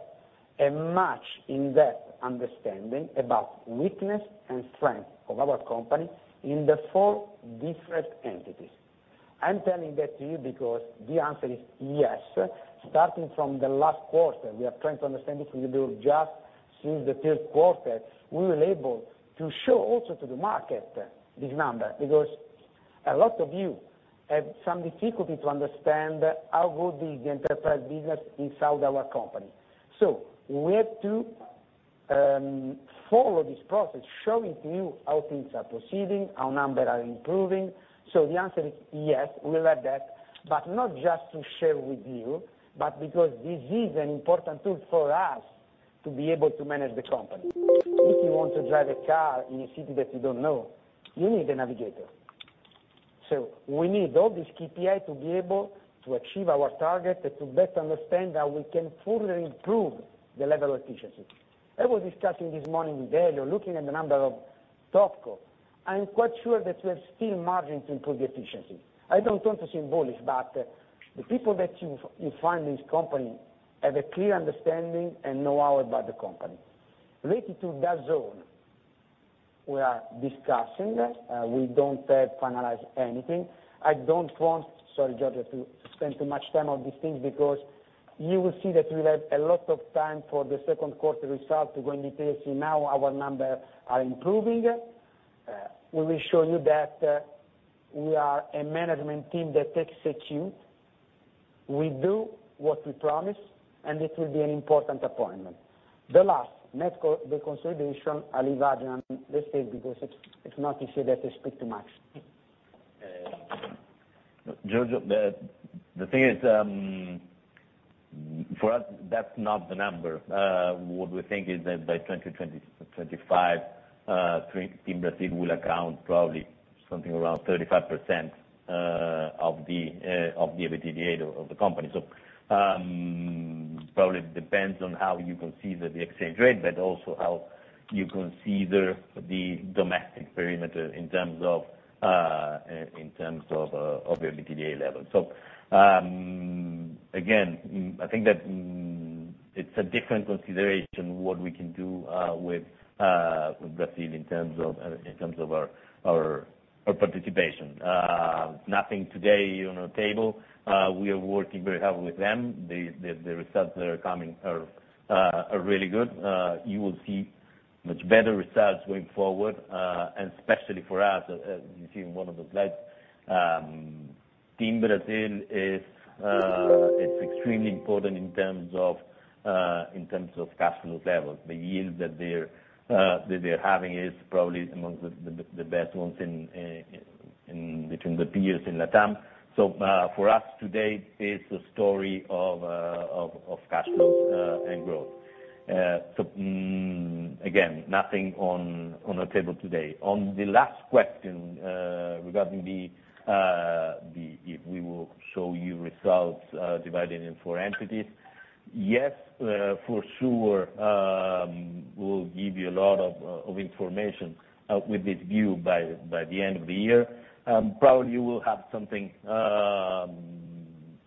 a much in-depth understanding about weakness and strength of our company in the four different entities. I'm telling that to you because the answer is yes. Starting from the last quarter, we are trying to understand if we will do just since the third quarter, we were able to show also to the market this number. Because a lot of you have some difficulty to understand how good the enterprise business inside our company. We have to follow this process, showing to you how things are proceeding, our number are improving. The answer is yes, we'll have that. Not just to share with you, but because this is an important tool for us to be able to manage the company. If you want to drive a car in a city that you don't know, you need a navigator. We need all this KPI to be able to achieve our target and to best understand how we can further improve the level of efficiency. I was discussing this morning with Dario, looking at the number of TopCo. I am quite sure that we have still margin to improve the efficiency. I don't want to seem bullish, but the people that you find in this company have a clear understanding and know how about the company. Related to DAZN, we are discussing. We don't have finalized anything. I don't want, sorry, Giorgio, to spend too much time on these things because you will see that we have a lot of time for the second quarter results when detailing now our numbers are improving. We will show you that, we are a management team that executes. We do what we promise, and it will be an important appointment. The last, NetCo, the consideration, I'll leave to Adrian this thing because it's not easy that I speak too much. Giorgio, the thing is, for us, that's not the number. What we think is that by 2025, TIM Brasil will account probably something around 35% of the EBITDA of the company. Probably depends on how you consider the exchange rate, but also how you consider the domestic perimeter in terms of EBITDA level. Again, I think that it's a different consideration what we can do with Brazil in terms of our participation. Nothing today on our table. We are working very hard with them. The results that are coming are really good. You will see much better results going forward, and especially for us, as you see in one of the slides, TIM Brasil is, it's extremely important in terms of cash flow levels. The yield that they're having is probably amongst the best ones in, between the peers in LATAM. For us today is a story of cash flows and growth. Again, nothing on our table today. On the last question, regarding the if we will show you results divided in four entities. Yes, for sure, we'll give you a lot of information with this view by the end of the year. Probably you will have something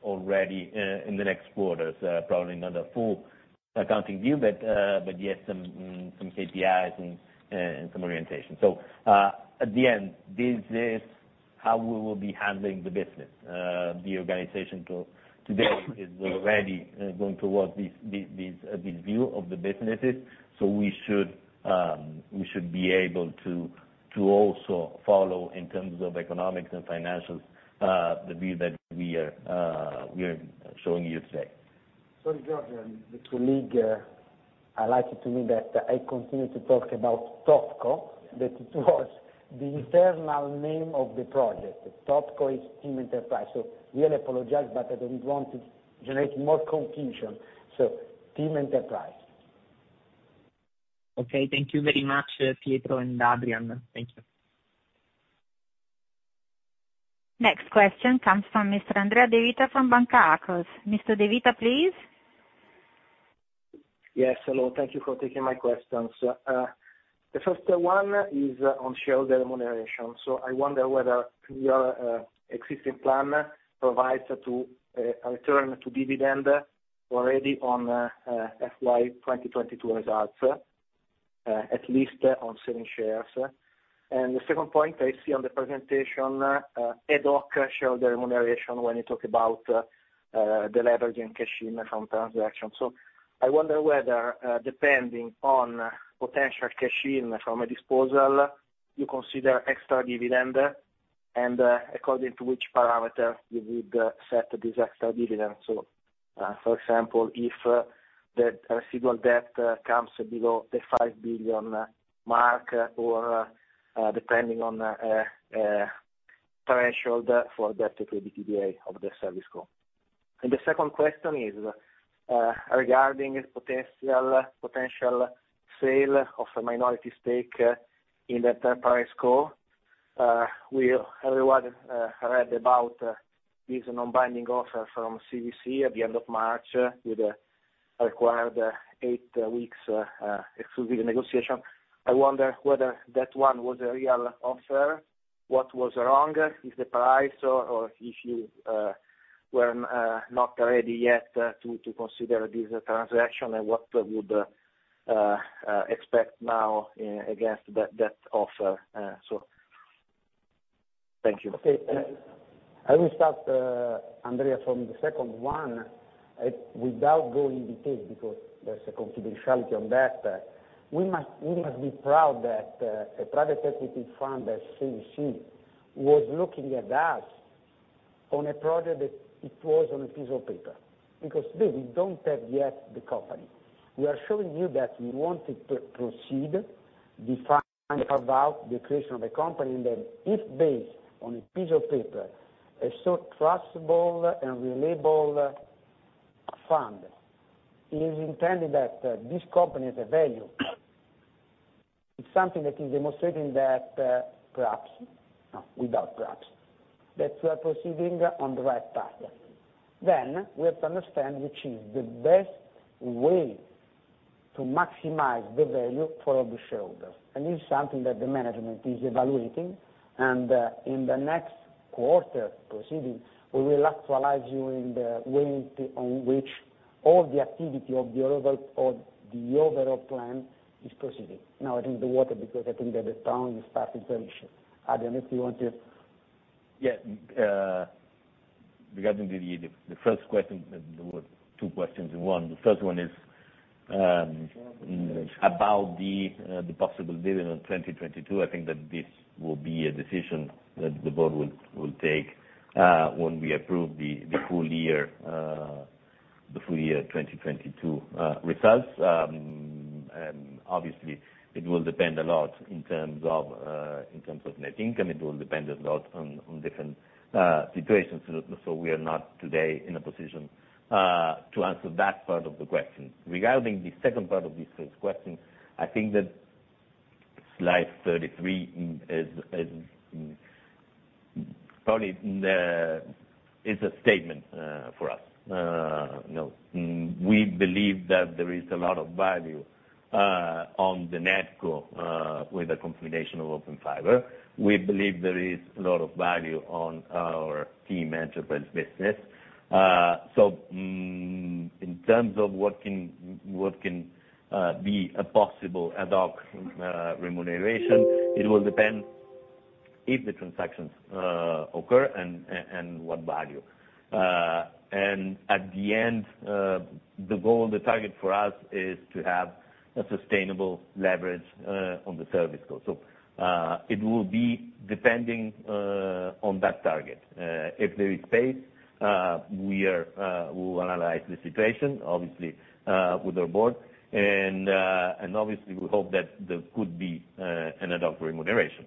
already in the next quarters, probably not a full accounting view, but yes, some KPIs and some orientation. At the end, this is how we will be handling the business, the organization tool. Today is already going towards this view of the businesses. We should be able to also follow in terms of economics and financials, the view that we are showing you today. Sorry, Giorgio, the colleague highlighted to me that I continue to talk about TopCo. That it was the internal name of the project. TopCo is TIM Enterprise, so really apologize, but I don't want to generate more confusion. TIM Enterprise. Okay. Thank you very much, Pietro and Adrian. Thank you. Next question comes from Mr. Andrea Devita from Banca Akros. Mr. Devita, please. Yes, hello. Thank you for taking my questions. The first one is on shareholder remuneration. I wonder whether your existing plan provides for a return to dividend already on FY 2022 results. At least on selling shares. The second point I see on the presentation, ad hoc shareholder remuneration when you talk about the leverage and cash-in from transaction. I wonder whether depending on potential cash-in from a disposal, you consider extra dividend and according to which parameter you would set this extra dividend. For example, if the net debt comes below the 5 billion mark or depending on a threshold for debt to EBITDA of the ServiceCo. The second question is regarding potential sale of a minority stake in the TIM Enterprise. Everyone read about this non-binding offer from CVC at the end of March with a required 8 weeks exclusive negotiation. I wonder whether that one was a real offer, what was wrong, is the price or if you were not ready yet to consider this transaction and what would expect now against that offer. Thank you. Okay. I will start, Andrea, from the second one. Without going in detail because there's a confidentiality on that, we must be proud that a private equity firm, the CVC, was looking at us on a project that it was on a piece of paper. Today we don't have yet the company. We are showing you that we want it to proceed, define about the creation of the company. If based on a piece of paper, a so trustable and reliable fund is intended that this company has a value, it's something that is demonstrating that without perhaps that we are proceeding on the right path. We have to understand which is the best way to maximize the value for all the shareholders. This is something that the management is evaluating. in the next quarter proceeding, we will update you in the way in which all the activity of the overall plan is proceeding. Now I think we ought to because I think that the time is very short. Adrian, if you want to... Yeah, regarding the first question, there were two questions in one. The first one is about the possible dividend in 2022. I think that this will be a decision that The Board will take when we approve the full year 2022 results. Obviously it will depend a lot in terms of net income, it will depend a lot on different situations. We are not today in a position to answer that part of the question. Regarding the second part of this first question, I think that slide 33 is probably a statement for us. You know, we believe that there is a lot of value on the NetCo with the confirmation of Open Fiber. We believe there is a lot of value on our TIM Enterprise business. In terms of what can be a possible ad hoc remuneration, it will depend if the transactions occur and what value. At the end, the goal, the target for us is to have a sustainable leverage on the Service Co. It will be depending on that target. If there is space, we will analyze the situation obviously with our Board and obviously we hope that there could be an ad hoc remuneration.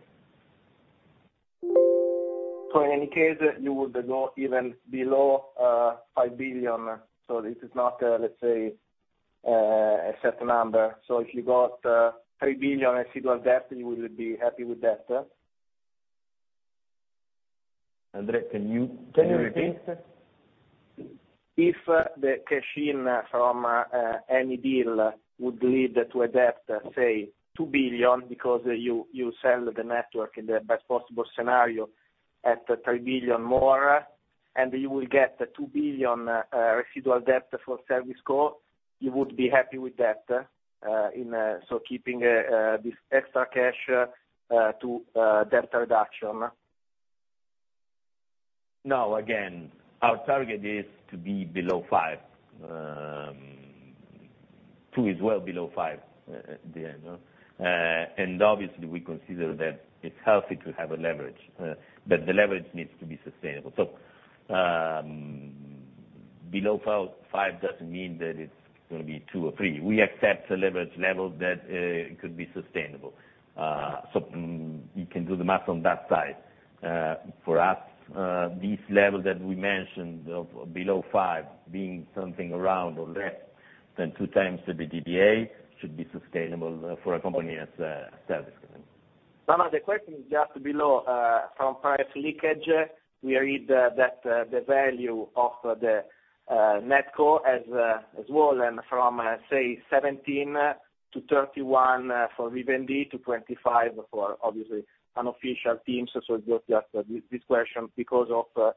In any case you would go even below 5 billion. This is not, let's say, a set number. If you got 3 billion residual debt, you would be happy with that? Andrea, can you hear me? Can you repeat? If the cash-in from any deal would lead to a debt, say, 2 billion because you sell the network in the best possible scenario at 3 billion more, and you will get 2 billion residual debt for ServiceCo, you would be happy with that, so keeping this extra cash to debt reduction? No. Again, our target is to be below five. two is well below five at the end. Obviously, we consider that it's healthy to have a leverage, but the leverage needs to be sustainable. Below five doesn't mean that it's gonna be two or three. We accept a leverage level that could be sustainable. You can do the math on that side. For us, this level that we mentioned of below 5 being something around or less than 2x the EBITDA should be sustainable for a company as ServiceCo. No, no, the question is just below, from press leaks, we read that the value of the NetCo has fallen from, say, 17-31 for Vivendi to 25 for obviously unofficial teams. It's just this question because of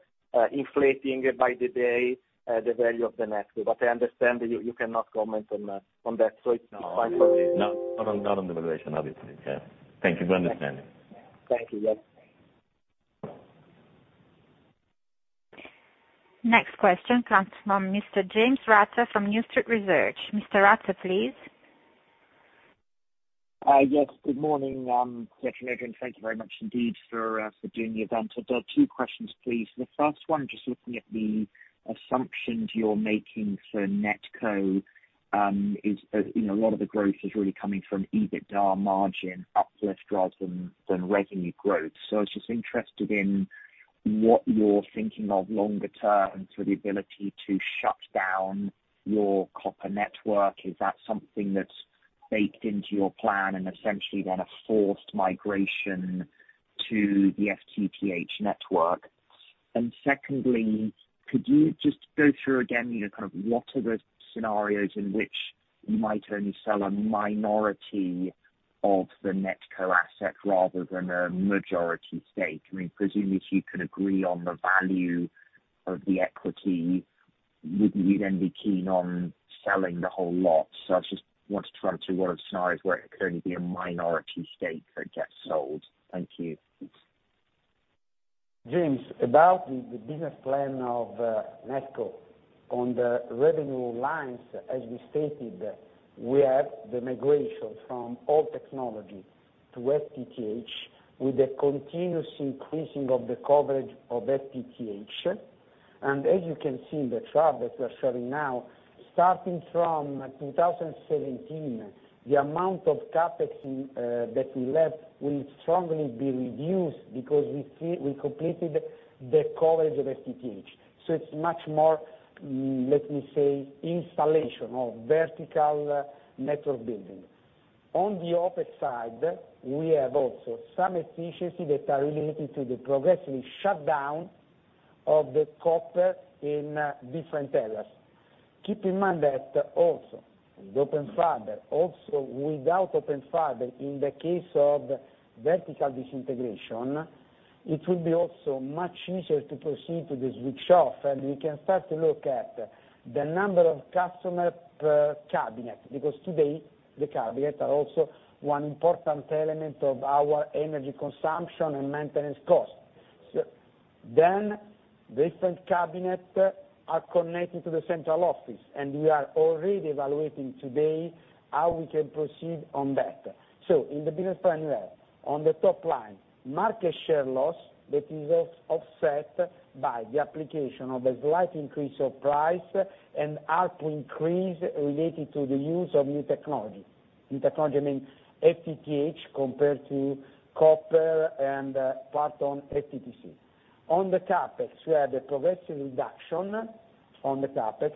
inflating it by the day, the value of the NetCo. I understand you cannot comment on that. It's fine for me. No, not on the valuation obviously. Thank you for understanding. Thank you. Yes. Next question comes from Mr. James Ratzer from New Street Research. Mr. Ratzer, please. Yes. Good morning, Pietro and Adrian. Thank you very much indeed for doing the event. I've got two questions, please. The first one, just looking at the assumptions you're making for NetCo, is, you know, a lot of the growth is really coming from EBITDA margin uplift rather than revenue growth. I was just interested in what you're thinking of longer term for the ability to shut down your copper network. Is that something that's baked into your plan and essentially then a forced migration to the FTTH network? Secondly, could you just go through again, you know, kind of what are the scenarios in which you might only sell a minority of the NetCo assets rather than a majority stake? I mean, presumably, if you could agree on the value of the equity, would you then be keen on selling the whole lot? I just wanted to run through what a scenario where it could only be a minority stake that gets sold. Thank you. James, about the business plan of NetCo, on the revenue lines, as we stated, we have the migration from old technology to FTTH, with the continuous increasing of the coverage of FTTH. As you can see in the chart that we're showing now, starting from 2017, the amount of CapEx in that we left will strongly be reduced because we completed the coverage of FTTH. It's much more, let me say, installation of vertical network building. On the OpEx side, we have also some efficiency that are related to the progressively shut down of the copper in different areas. Keep in mind that also with Open Fiber, also without Open Fiber, in the case of vertical disintegration, it will be also much easier to proceed to the switch off, and we can start to look at the number of customers per cabinet, because today the cabinets are also one important element of our energy consumption and maintenance costs. Different cabinets are connected to the central office, and we are already evaluating today how we can proceed on that. In the business plan, we have on the top line, market share loss that is offset by the application of a slight increase of price and ARPU increase related to the use of new technology. New technology, I mean, FTTH compared to copper and part on FTTC. On the CapEx, we have the progressive reduction on the CapEx.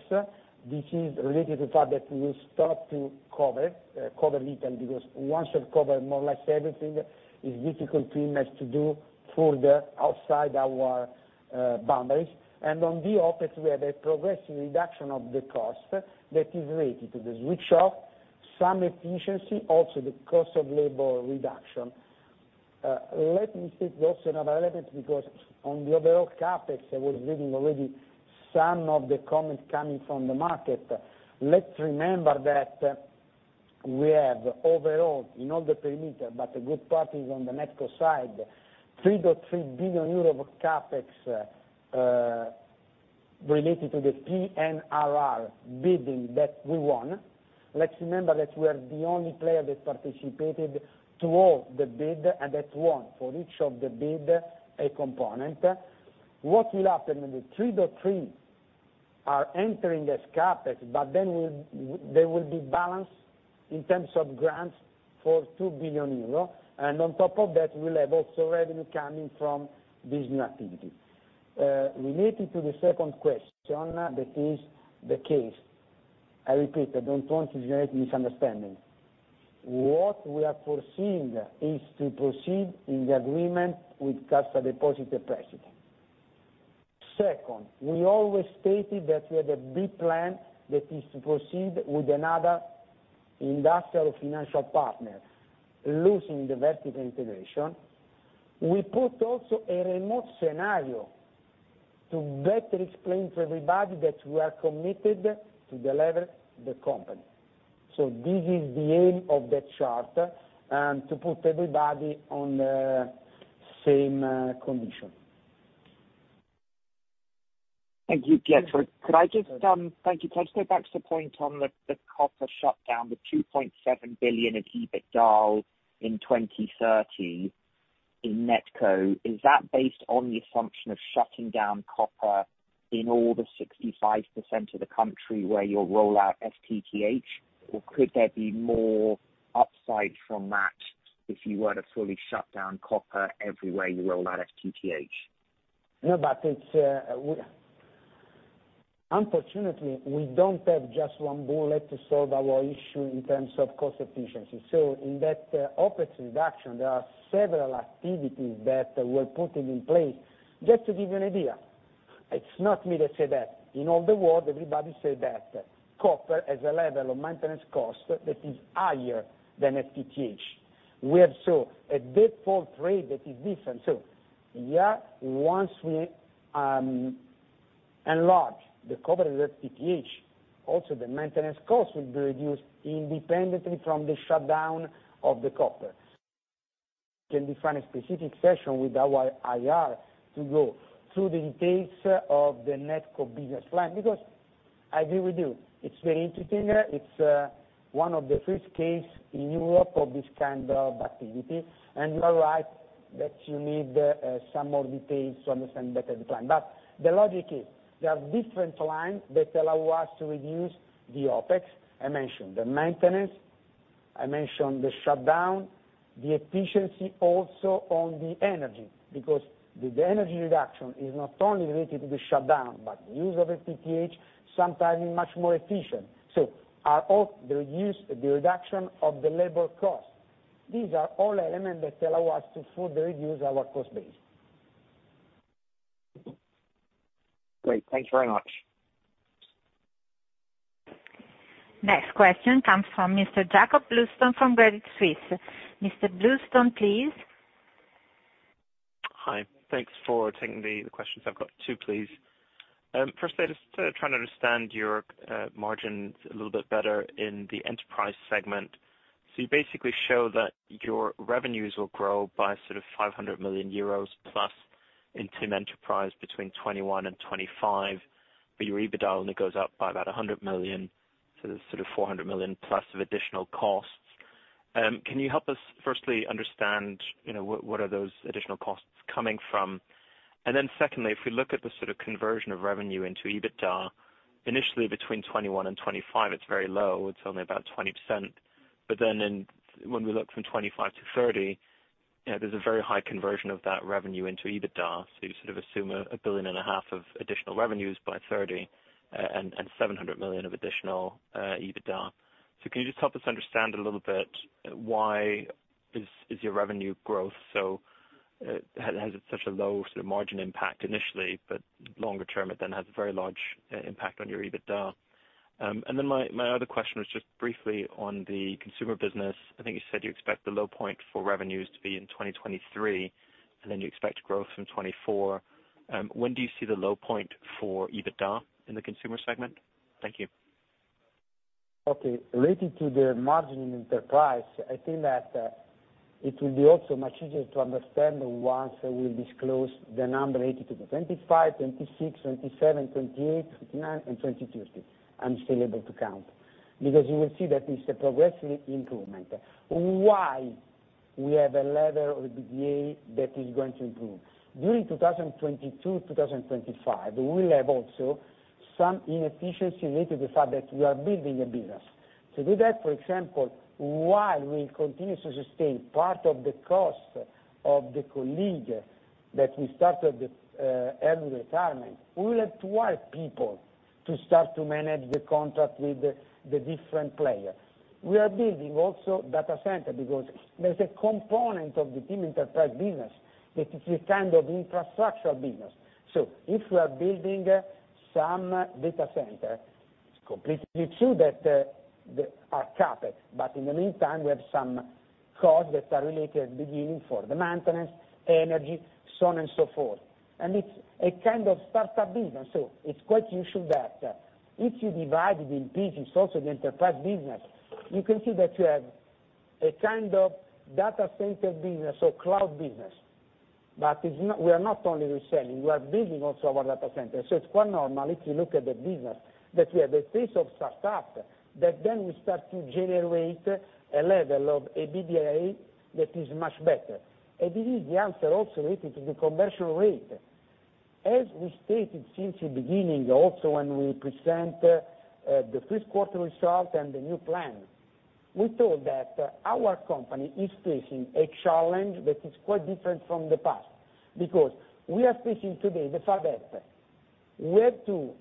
This is related to the fact that we will start to cover Italy because once you've covered more or less everything, it's difficult to invest, to do further outside our boundaries. On the OpEx, we have a progressive reduction of the cost that is related to the switch off, some efficiency, also the cost of labor reduction. Let me state also another element because on the overall CapEx, I was reading already some of the comments coming from the market. Let's remember that we have overall, in all the perimeter, but a good part is on the NetCo side, 3.3 billion euro of CapEx related to the PNRR bidding that we won. Let's remember that we are the only player that participated to all the bid and that won for each of the bid, a component. What will happen in the 3.3 are entering as CapEx, but then they will be balanced in terms of grants for 2 billion euros. On top of that, we'll have also revenue coming from this new activity. Related to the second question that is the case, I repeat, I don't want to generate misunderstanding. What we are foreseeing is to proceed in the agreement with Cassa Depositi e Prestiti. Second, we always stated that we had a B plan that is to proceed with another industrial financial partner losing the vertical integration. We put also a remote scenario to better explain to everybody that we are committed to the level, the company. This is the aim of that chart to put everybody on the same condition. Thank you, Pietro. Can I just go back to the point on the copper shutdown, the 2.7 billion of EBITDA in 2030 in NetCo. Is that based on the assumption of shutting down copper in all the 65% of the country where you'll roll out FTTH? Or could there be more upside from that if you were to fully shut down copper everywhere you roll out FTTH? No, unfortunately, we don't have just one bullet to solve our issue in terms of cost efficiency. In that OpEx reduction, there are several activities that we're putting in place. Just to give you an idea, it's not me that say that. In all the world, everybody say that copper has a level of maintenance cost that is higher than FTTH. We have such a default rate that is different. Yeah, once we replace the copper with FTTH. Also, the maintenance costs will be reduced independently from the shutdown of the copper. Can we find a specific session with our IR to go through the details of the NetCo business plan? Because I agree with you, it's very interesting. It's one of the first case in Europe of this kind of activity, and you are right that you need some more details to understand better the plan. The logic is there are different lines that allow us to reduce the OpEx. I mentioned the maintenance, I mentioned the shutdown, the efficiency also on the energy, because the energy reduction is not only related to the shutdown, but the use of FTTH sometimes is much more efficient. Are all the reduction of the labor cost. These are all elements that allow us to further reduce our cost base. Great. Thanks very much. Next question comes from Mr. Jakob Bluestone from Credit Suisse. Mr. Bluestone, please. Hi. Thanks for taking the questions. I've got two, please. First, I just trying to understand your margins a little bit better in the enterprise segment. You basically show that your revenues will grow by sort of 500 million euros+ in TIM Enterprise between 2021 and 2025, but your EBITDA only goes up by about 100 million, so there's sort of 400 million+ of additional costs. Can you help us firstly understand what are those additional costs coming from? And then secondly, if we look at the sort of conversion of revenue into EBITDA, initially between 2021 and 2025, it's very low, it's only about 20%. When we look from 2025 to 2030, there's a very high conversion of that revenue into EBITDA. You sort of assume 1.5 billion of additional revenues by 2030, and 700 million of additional EBITDA. Can you just help us understand a little bit why your revenue growth has such a low sort of margin impact initially, but longer term it then has a very large impact on your EBITDA? Then my other question was just briefly on the consumer business. I think you said you expect the low point for revenues to be in 2023, and then you expect growth from 2024. When do you see the low point for EBITDA in the consumer segment? Thank you. Related to the margin in enterprise, I think that it will be also much easier to understand once we disclose the number related to the 2025, 2026, 2027, 2028, 2029 and 2030. I'm still able to count. Because you will see that it's a progressive improvement. Why we have a level of the EA that is going to improve? During 2022, 2025, we will have also some inefficiency related to the fact that we are building a business. To do that, for example, while we continue to sustain part of the cost of the colleague that we started the early retirement, we will have to hire people to start to manage the contract with the different player. We are building also data center because there's a component of the TIM Enterprise business that is a kind of infrastructure business. If we are building some data center, it's completely true that our CapEx, but in the meantime, we have some costs that are related at the beginning for the maintenance, energy, so on and so forth. It's a kind of startup business. It's quite usual that if you divide it in pieces, also the enterprise business, you can see that you have a kind of data center business or cloud business. But it's not. We are not only reselling, we are building also our data center. It's quite normal if you look at the business that we have a phase of startup that then we start to generate a level of EBITDA that is much better. This is the answer also related to the conversion rate. As we stated since the beginning, also when we presented the first quarter results and the new plan, we thought that our company is facing a challenge that is quite different from the past, because we are facing today the fact that we have to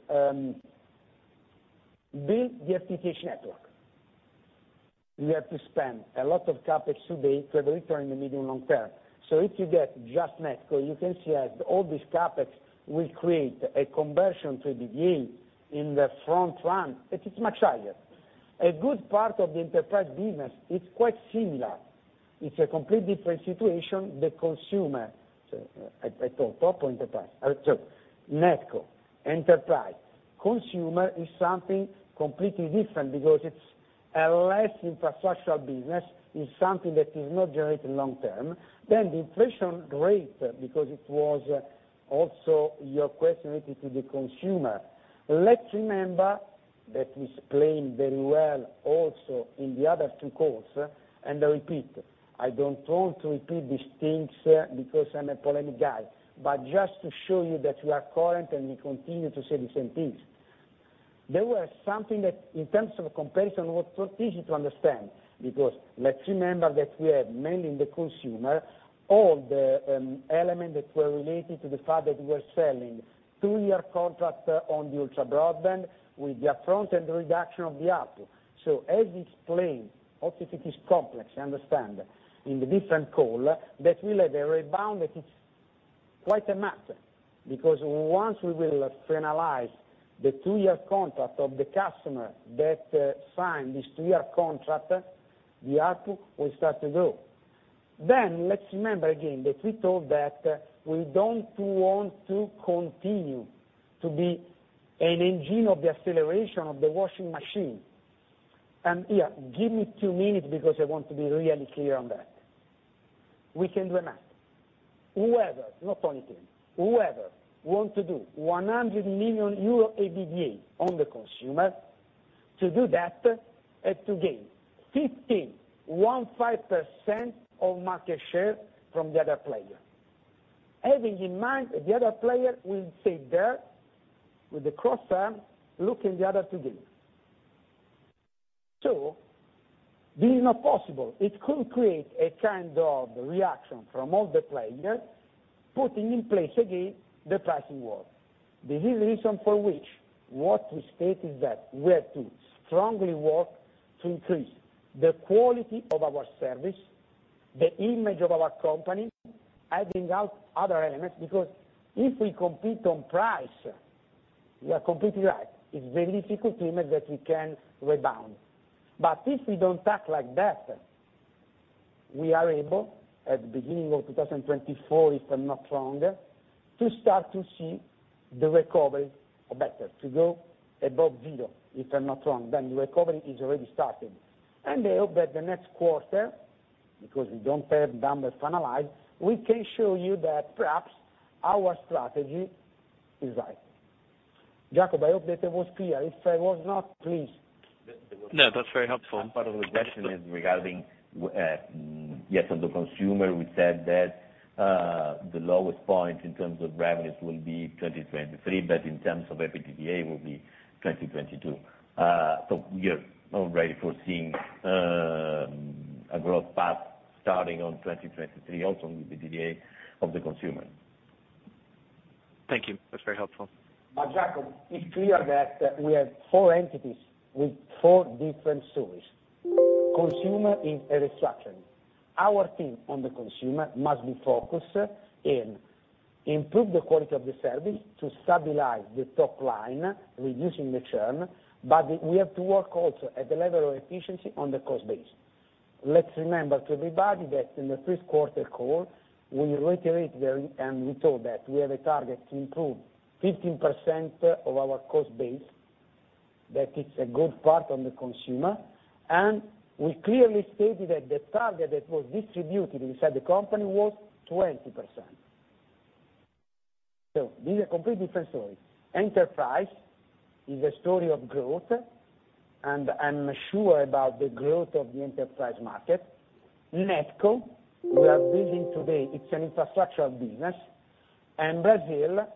build the FTTH network. We have to spend a lot of CapEx today to have a return in the medium long term. If you get just NetCo, you can see that all this CapEx will create a conversion to EBITDA in the long run that is much higher. A good part of the enterprise business is quite similar. It's a completely different situation, the consumer. NetCo, enterprise. Consumer is something completely different because it's a less infrastructural business. It's something that is not generating long term. The inflation rate, because it was also your question related to the consumer. Let's remember that is playing very well also in the other two calls, and I repeat, I don't want to repeat these things because I'm a polemic guy, but just to show you that we are current and we continue to say the same things. There were something that, in terms of comparison, was quite easy to understand, because let's remember that we have mainly in the consumer all the element that were related to the fact that we were selling two-year contract on the ultra broadband with the upfront and the reduction of the output. As explained, also if it is complex, I understand, in the different call that we'll have a rebound that is quite material. Because once we will finalize the two-year contract of the customer that signed this two-year contract, the output will start to grow. Let's remember again that we thought that we don't want to continue to be an engine of the acceleration of the washing machine. Here, give me 2 minutes because I want to be really clear on that. We can do the math. Whoever, not only TIM, whoever want to do 100 million euro EBITDA on the consumer, to do that is to gain 15% of market share from the other player. Having in mind the other player will sit there with crossed arms, letting the other gain. This is not possible. It could create a kind of reaction from all the players, putting in place again the pricing war. This is the reason for which what we stated that we have to strongly work to increase the quality of our service, the image of our company, adding our other elements, because if we compete on price, you are completely right, it's very difficult to imagine that we can rebound. If we don't act like that, we are able, at the beginning of 2024, if I'm not wrong, to start to see the recovery or better, to go above zero, if I'm not wrong, then the recovery is already starting. I hope that the next quarter, because we don't have numbers finalized, we can show you that perhaps our strategy is right. Jakob, I hope that I was clear. If I was not, please. No, that's very helpful. Part of the question is regarding, yes, on the consumer, we said that, the lowest point in terms of revenues will be 2023, but in terms of EBITDA will be 2022. We are already foreseeing, a growth path starting on 2023, also with the DDA of the consumer. Thank you. That's very helpful. Jakob, it's clear that we have four entities with four different stories. Consumer is a restructuring. Our team on the consumer must be focused in improve the quality of the service to stabilize the top line, reducing the churn, but we have to work also at the level of efficiency on the cost base. Let's remember to everybody that in the first quarter call, we reiterate and we thought that we have a target to improve 15% of our cost base, that it's a good part on the consumer, and we clearly stated that the target that was distributed inside the company was 20%. These are completely different stories. Enterprise is a story of growth, and I'm sure about the growth of the enterprise market. NetCo, we are building today, it's an infrastructural business. Brazil,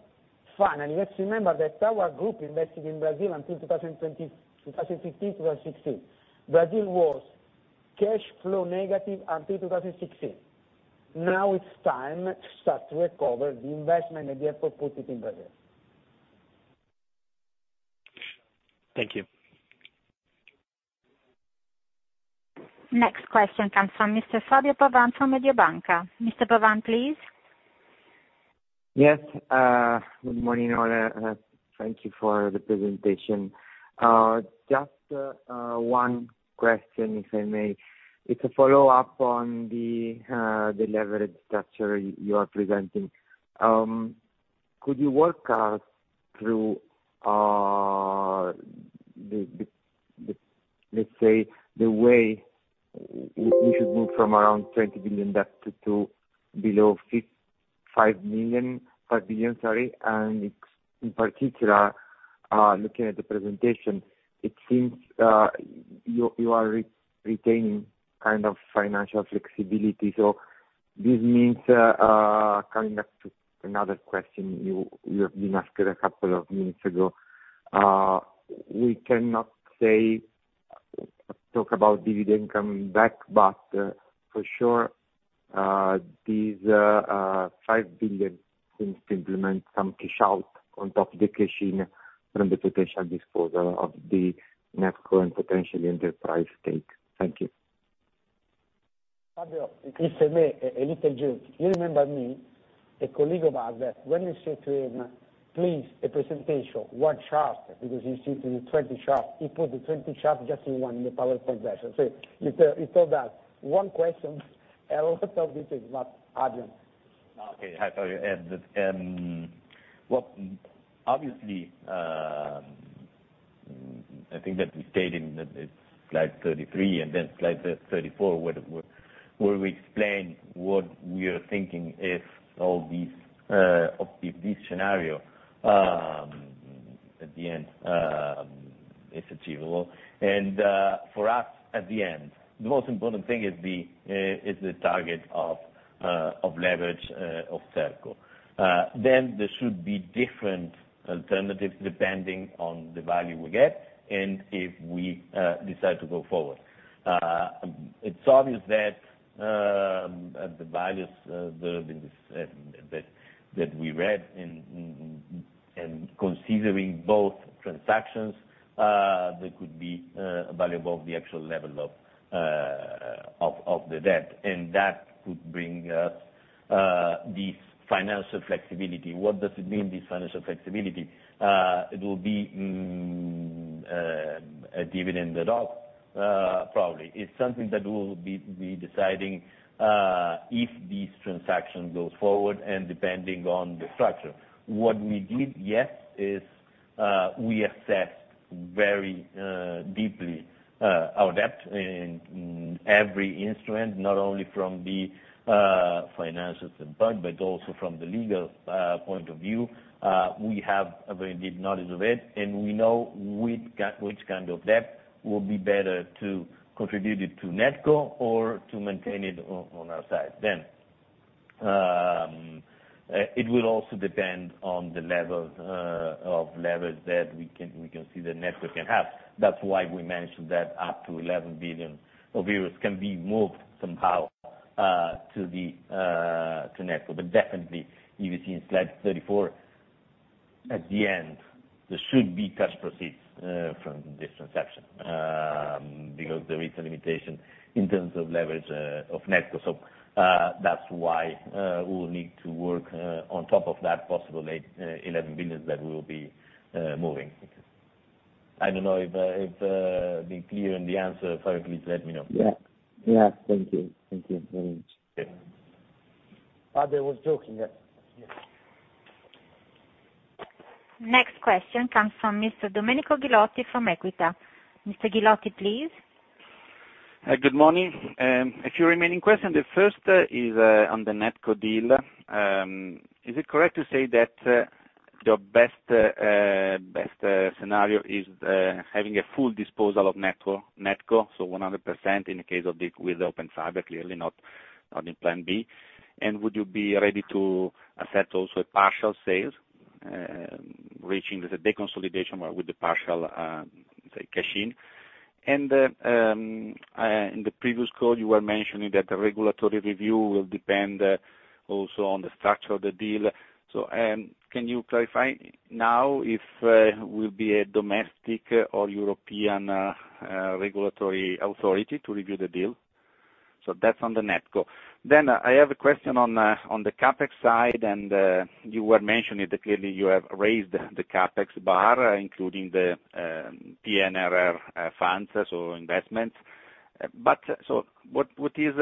finally, let's remember that our group invested in Brazil until 2015, 2016. Brazil was cash flow negative until 2016. Now it's time to start to recover the investment that we have to put it in Brazil. Thank you. Next question comes from Mr. Fabio Pavan from Mediobanca. Mr. Pavan, please. Yes, good morning, all. Thank you for the presentation. Just one question, if I may. It's a follow-up on the leverage structure you are presenting. Could you walk us through the, let's say, the way we should move from around 20 billion debt to below 5 billion, sorry, and in particular, looking at the presentation, it seems you are retaining kind of financial flexibility. This means coming back to another question you have been asked a couple of minutes ago, we cannot talk about dividend coming back, but for sure, these 5 billion seems to imply some cash out on top of the cash in from the potential disposal of the NetCo and potentially enterprise stake. Thank you. Fabio, it is for me a little joke. You remember me, a colleague of ours, when you say to him, "Please, a presentation, one chart," because you see it in 20 charts, he put the 20 charts just in one, in the PowerPoint version. He told us one question, a lot of this is not urgent. Okay. Hi, Fabio. Well, obviously, I think that we stated in the slide 33 and then slide 34, where we explain what we are thinking if all these, if this scenario, at the end, is achievable. For us, at the end, the most important thing is the target of leverage of ServiceCo. Then there should be different alternatives depending on the value we get and if we decide to go forward. It's obvious that the values that we read and considering both transactions, they could be valuable the actual level of the debt, and that could bring us this financial flexibility, what does it mean, this financial flexibility? It will be a dividend payout, probably. It's something that we'll be deciding if this transaction goes forward and depending on the structure. What we did, yes, is we assessed very deeply our debt in every instrument, not only from the financial impact, but also from the legal point of view. We have a very deep knowledge of it, and we know which kind of debt will be better to contribute it to NetCo or to maintain it on our side. It will also depend on the level of leverage that we can see the NetCo can have. That's why we mentioned that up to 11 billion euros can be moved somehow to NetCo. Definitely, if you've seen slide 34, at the end, there should be cash proceeds from this transaction, because there is a limitation in terms of leverage of NetCo. That's why we'll need to work on top of that possible 8 billion-11 billion that we'll be moving. I don't know if I'm clear in the answer. Fabio, please let me know. Yeah. Yeah. Thank you. Thank you very much. Yeah. Fabio was joking. Yeah. Yeah. Next question comes from Mr. Domenico Ghilotti from Equita. Mr. Ghilotti, please. Good morning. A few remaining questions. The first is on the NetCo deal. Is it correct to say that your best scenario is having a full disposal of NetCo, so 100% in the case of the with Open Fiber, clearly not in plan B. Would you be ready to accept also a partial sales, reaching the consolidation with the partial, say, cash in? In the previous call, you were mentioning that the regulatory review will depend also on the structure of the deal. Can you clarify now if it will be a domestic or European regulatory authority to review the deal? That's on the NetCo. I have a question on the CapEx side, and you were mentioning that clearly you have raised the CapEx bar, including the PNRR funds, so investment. What is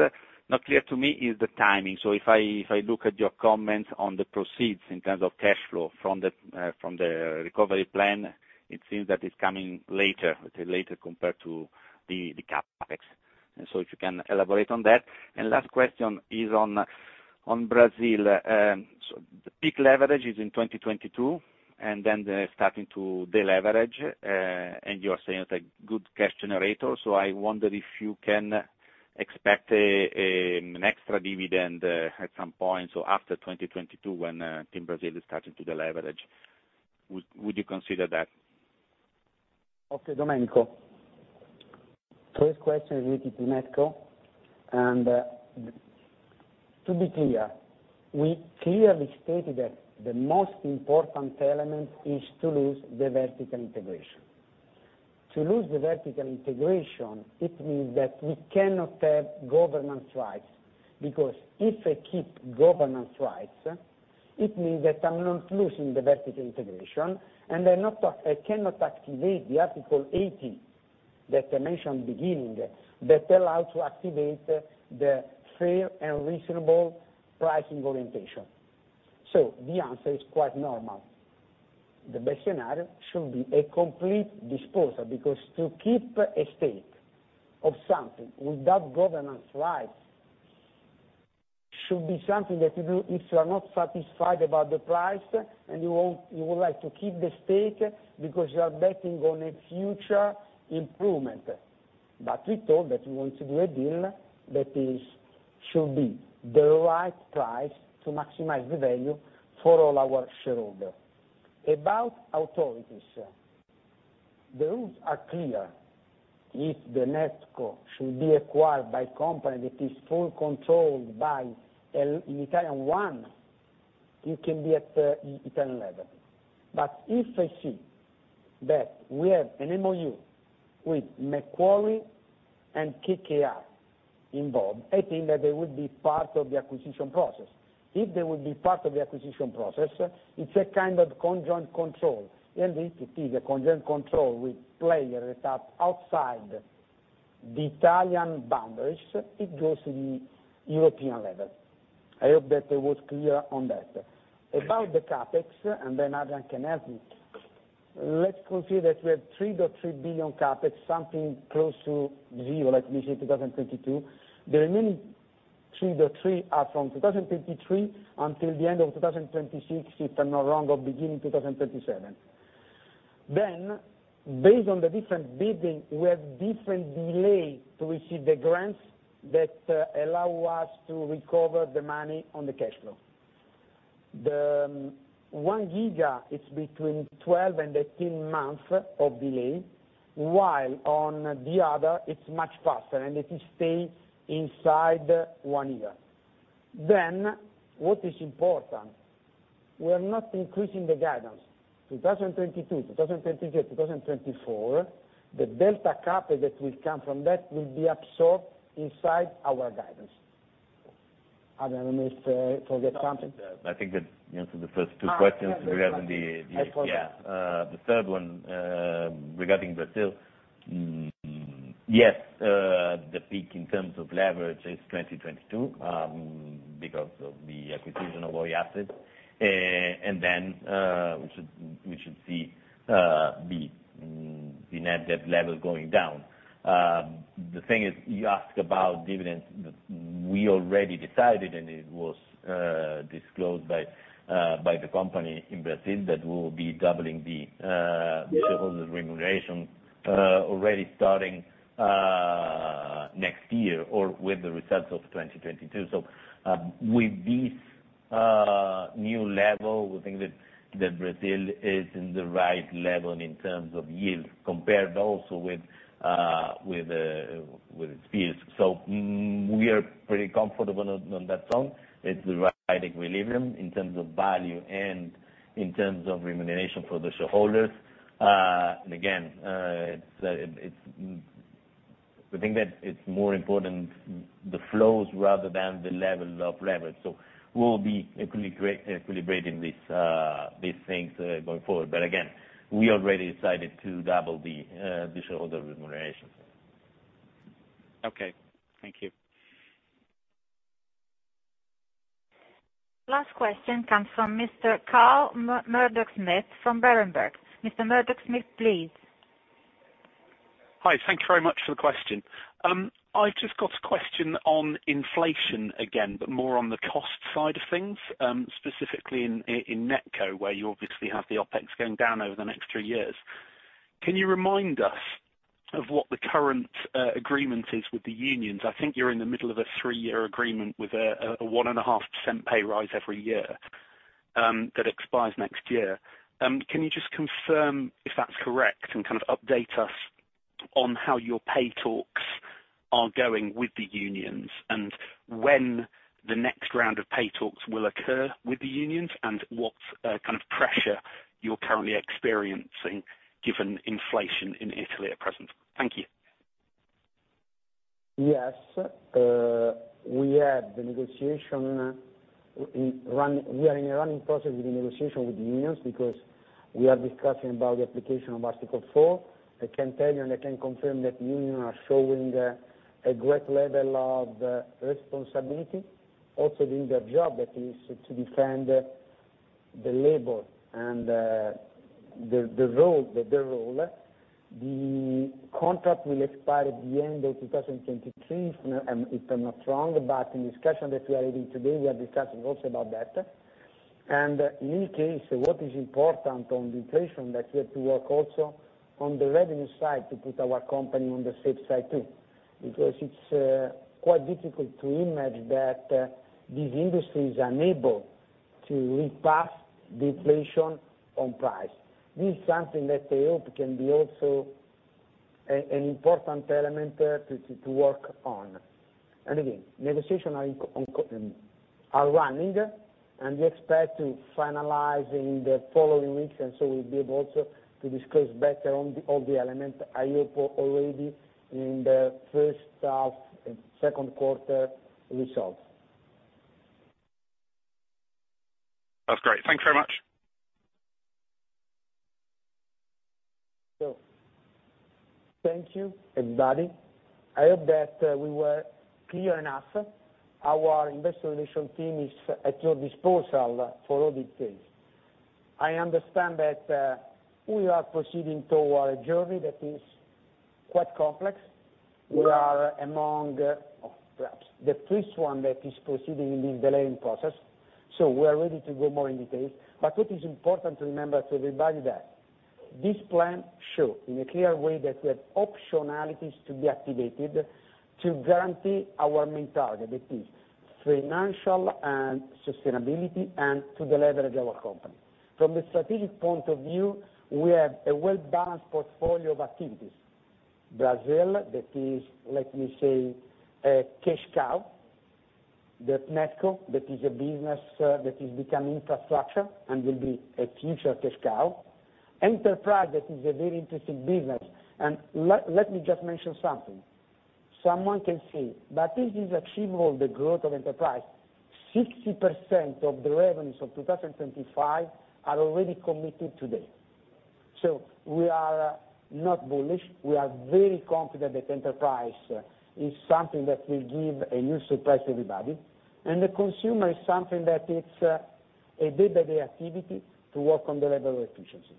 not clear to me is the timing. If I look at your comments on the proceeds in terms of cash flow from the recovery plan, it seems that it's coming later compared to the CapEx. If you can elaborate on that. Last question is on Brazil. The peak leverage is in 2022, and then they're starting to deleverage. You're saying it's a good cash generator. I wonder if you can expect an extra dividend at some point, so after 2022 when TIM Brasil is starting to deleverage. Would you consider that? Okay, Domenico. First question related to NetCo. To be clear, we clearly stated that the most important element is to lose the vertical integration. To lose the vertical integration, it means that we cannot have governance rights, because if I keep governance rights, it means that I'm not losing the vertical integration, and I cannot activate the Article 80 that I mentioned beginning, that allow to activate the fair and reasonable pricing orientation. The answer is quite normal. The best scenario should be a complete disposal, because to keep a stake of something without governance rights should be something that you do if you are not satisfied about the price and you would like to keep the stake because you are betting on a future improvement. We thought that we want to do a deal that is should be the right price to maximize the value for all our shareholders. About authorities, the rules are clear. If the NetCo should be acquired by company that is fully controlled by an Italian one, it can be at Italian level. If I see that we have an MOU with Macquarie and KKR involved, I think that they would be part of the acquisition process. If they would be part of the acquisition process, it's a kind of joint control. If it is a joint control with players that are outside the Italian boundaries, it goes to the European level. I hope that I was clear on that. About the CapEx, and then Adrian can help me. Let's consider that we have 3.3 billion CapEx, something close to zero, like we say, 2022. The remaining 3.3 are from 2023 until the end of 2026, if I'm not wrong, or beginning 2027. Based on the different bidding, we have different delays to receive the grants that allow us to recover the money on the cash flow. The 1 Giga is between 12 and 18 months of delay, while on the other it's much faster, and it stays inside one year. What is important. We are not increasing the guidance. 2022, 2023, 2024, the delta CapEx that will come from that will be absorbed inside our guidance. I don't know if I forget something. No, I think that answered the first two questions regarding the. I forgot. Yeah. The third one, regarding Brazil, yes, the peak in terms of leverage is 2022, because of the acquisition of Oi assets. Then we should see the net debt level going down. The thing is, you ask about dividends, but we already decided, and it was disclosed by the company in Brazil that we will be doubling the shareholders remuneration, already starting next year or with the results of 2022. With this new level, we think that Brazil is in the right level in terms of yield compared also with its peers. We are pretty comfortable on that front. It's the right equilibrium in terms of value and in terms of remuneration for the shareholders. Again, we think that it's more important, the flows rather than the level of leverage. We'll be equilibrating these things going forward. Again, we already decided to double the shareholder remuneration. Okay, thank you. Last question comes from Mr. Carl Murdock-Smith from Berenberg. Mr. Murdock-Smith, please. Hi. Thank you very much for the question. I've just got a question on inflation again, but more on the cost side of things, specifically in NetCo, where you obviously have the OpEx going down over the next three years. Can you remind us of what the current agreement is with the unions? I think you're in the middle of a three-year agreement with a 1.5% pay rise every year, that expires next year. Can you just confirm if that's correct and kind of update us on how your pay talks are going with the unions and when the next round of pay talks will occur with the unions and what kind of pressure you're currently experiencing given inflation in Italy at present? Thank you. Yes. We are in a running process with the negotiation with the unions because we are discussing about the application of Article 4. I can tell you and I can confirm that unions are showing a great level of responsibility, also doing their job that is to defend the labor and the role. The contract will expire at the end of 2023 if I'm not wrong, but in discussion that we are having today, we are discussing also about that. In any case, what is important on the inflation that we have to work also on the revenue side to put our company on the safe side too. Because it's quite difficult to imagine that this industry is unable to pass the inflation on price. This is something that I hope can be also an important element to work on. Again, negotiations are ongoing, and we expect to finalize in the following weeks, and so we'll be able to discuss better on all the elements. I hope already in the first half and second quarter results. That's great. Thank you very much. Thank you, everybody. I hope that we were clear enough. Our investor relations team is at your disposal for all details. I understand that we are proceeding toward a journey that is quite complex. We are among perhaps the first one that is proceeding in the delevering process, so we are ready to go more in details. What is important to remember to everybody that this plan show, in a clear way, that we have optionalities to be activated to guarantee our main target. That is financial sustainability and to deleverage our company. From the strategic point of view, we have a well-balanced portfolio of activities. Brazil, that is, let me say, a cash cow. The NetCo, that is a business that is becoming infrastructure and will be a future cash cow. Enterprise, that is a very interesting business. Let me just mention something. Someone can say, "But is this achievable, the growth of enterprise?" 60% of the revenues of 2025 are already committed today. We are not bullish. We are very confident that enterprise is something that will give a new surprise to everybody. The consumer is something that it's a day-by-day activity to work on the level of efficiency.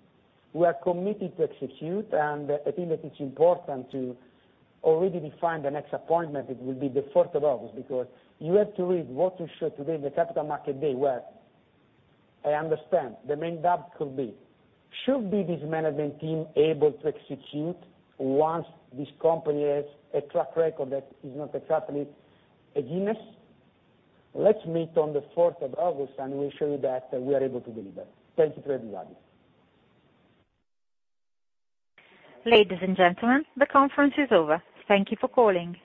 We are committed to execute, and I think that it's important to already define the next appointment. It will be the fourth of August, because you have to read what we showed today in the Capital Markets Day where I understand the main doubt could be, should be this management team able to execute once this company has a track record that is not exactly a Guinness? Let's meet on the fourth of August, and we'll show you that we are able to deliver. Thank you to everybody. Ladies and gentlemen, the conference is over. Thank you for calling.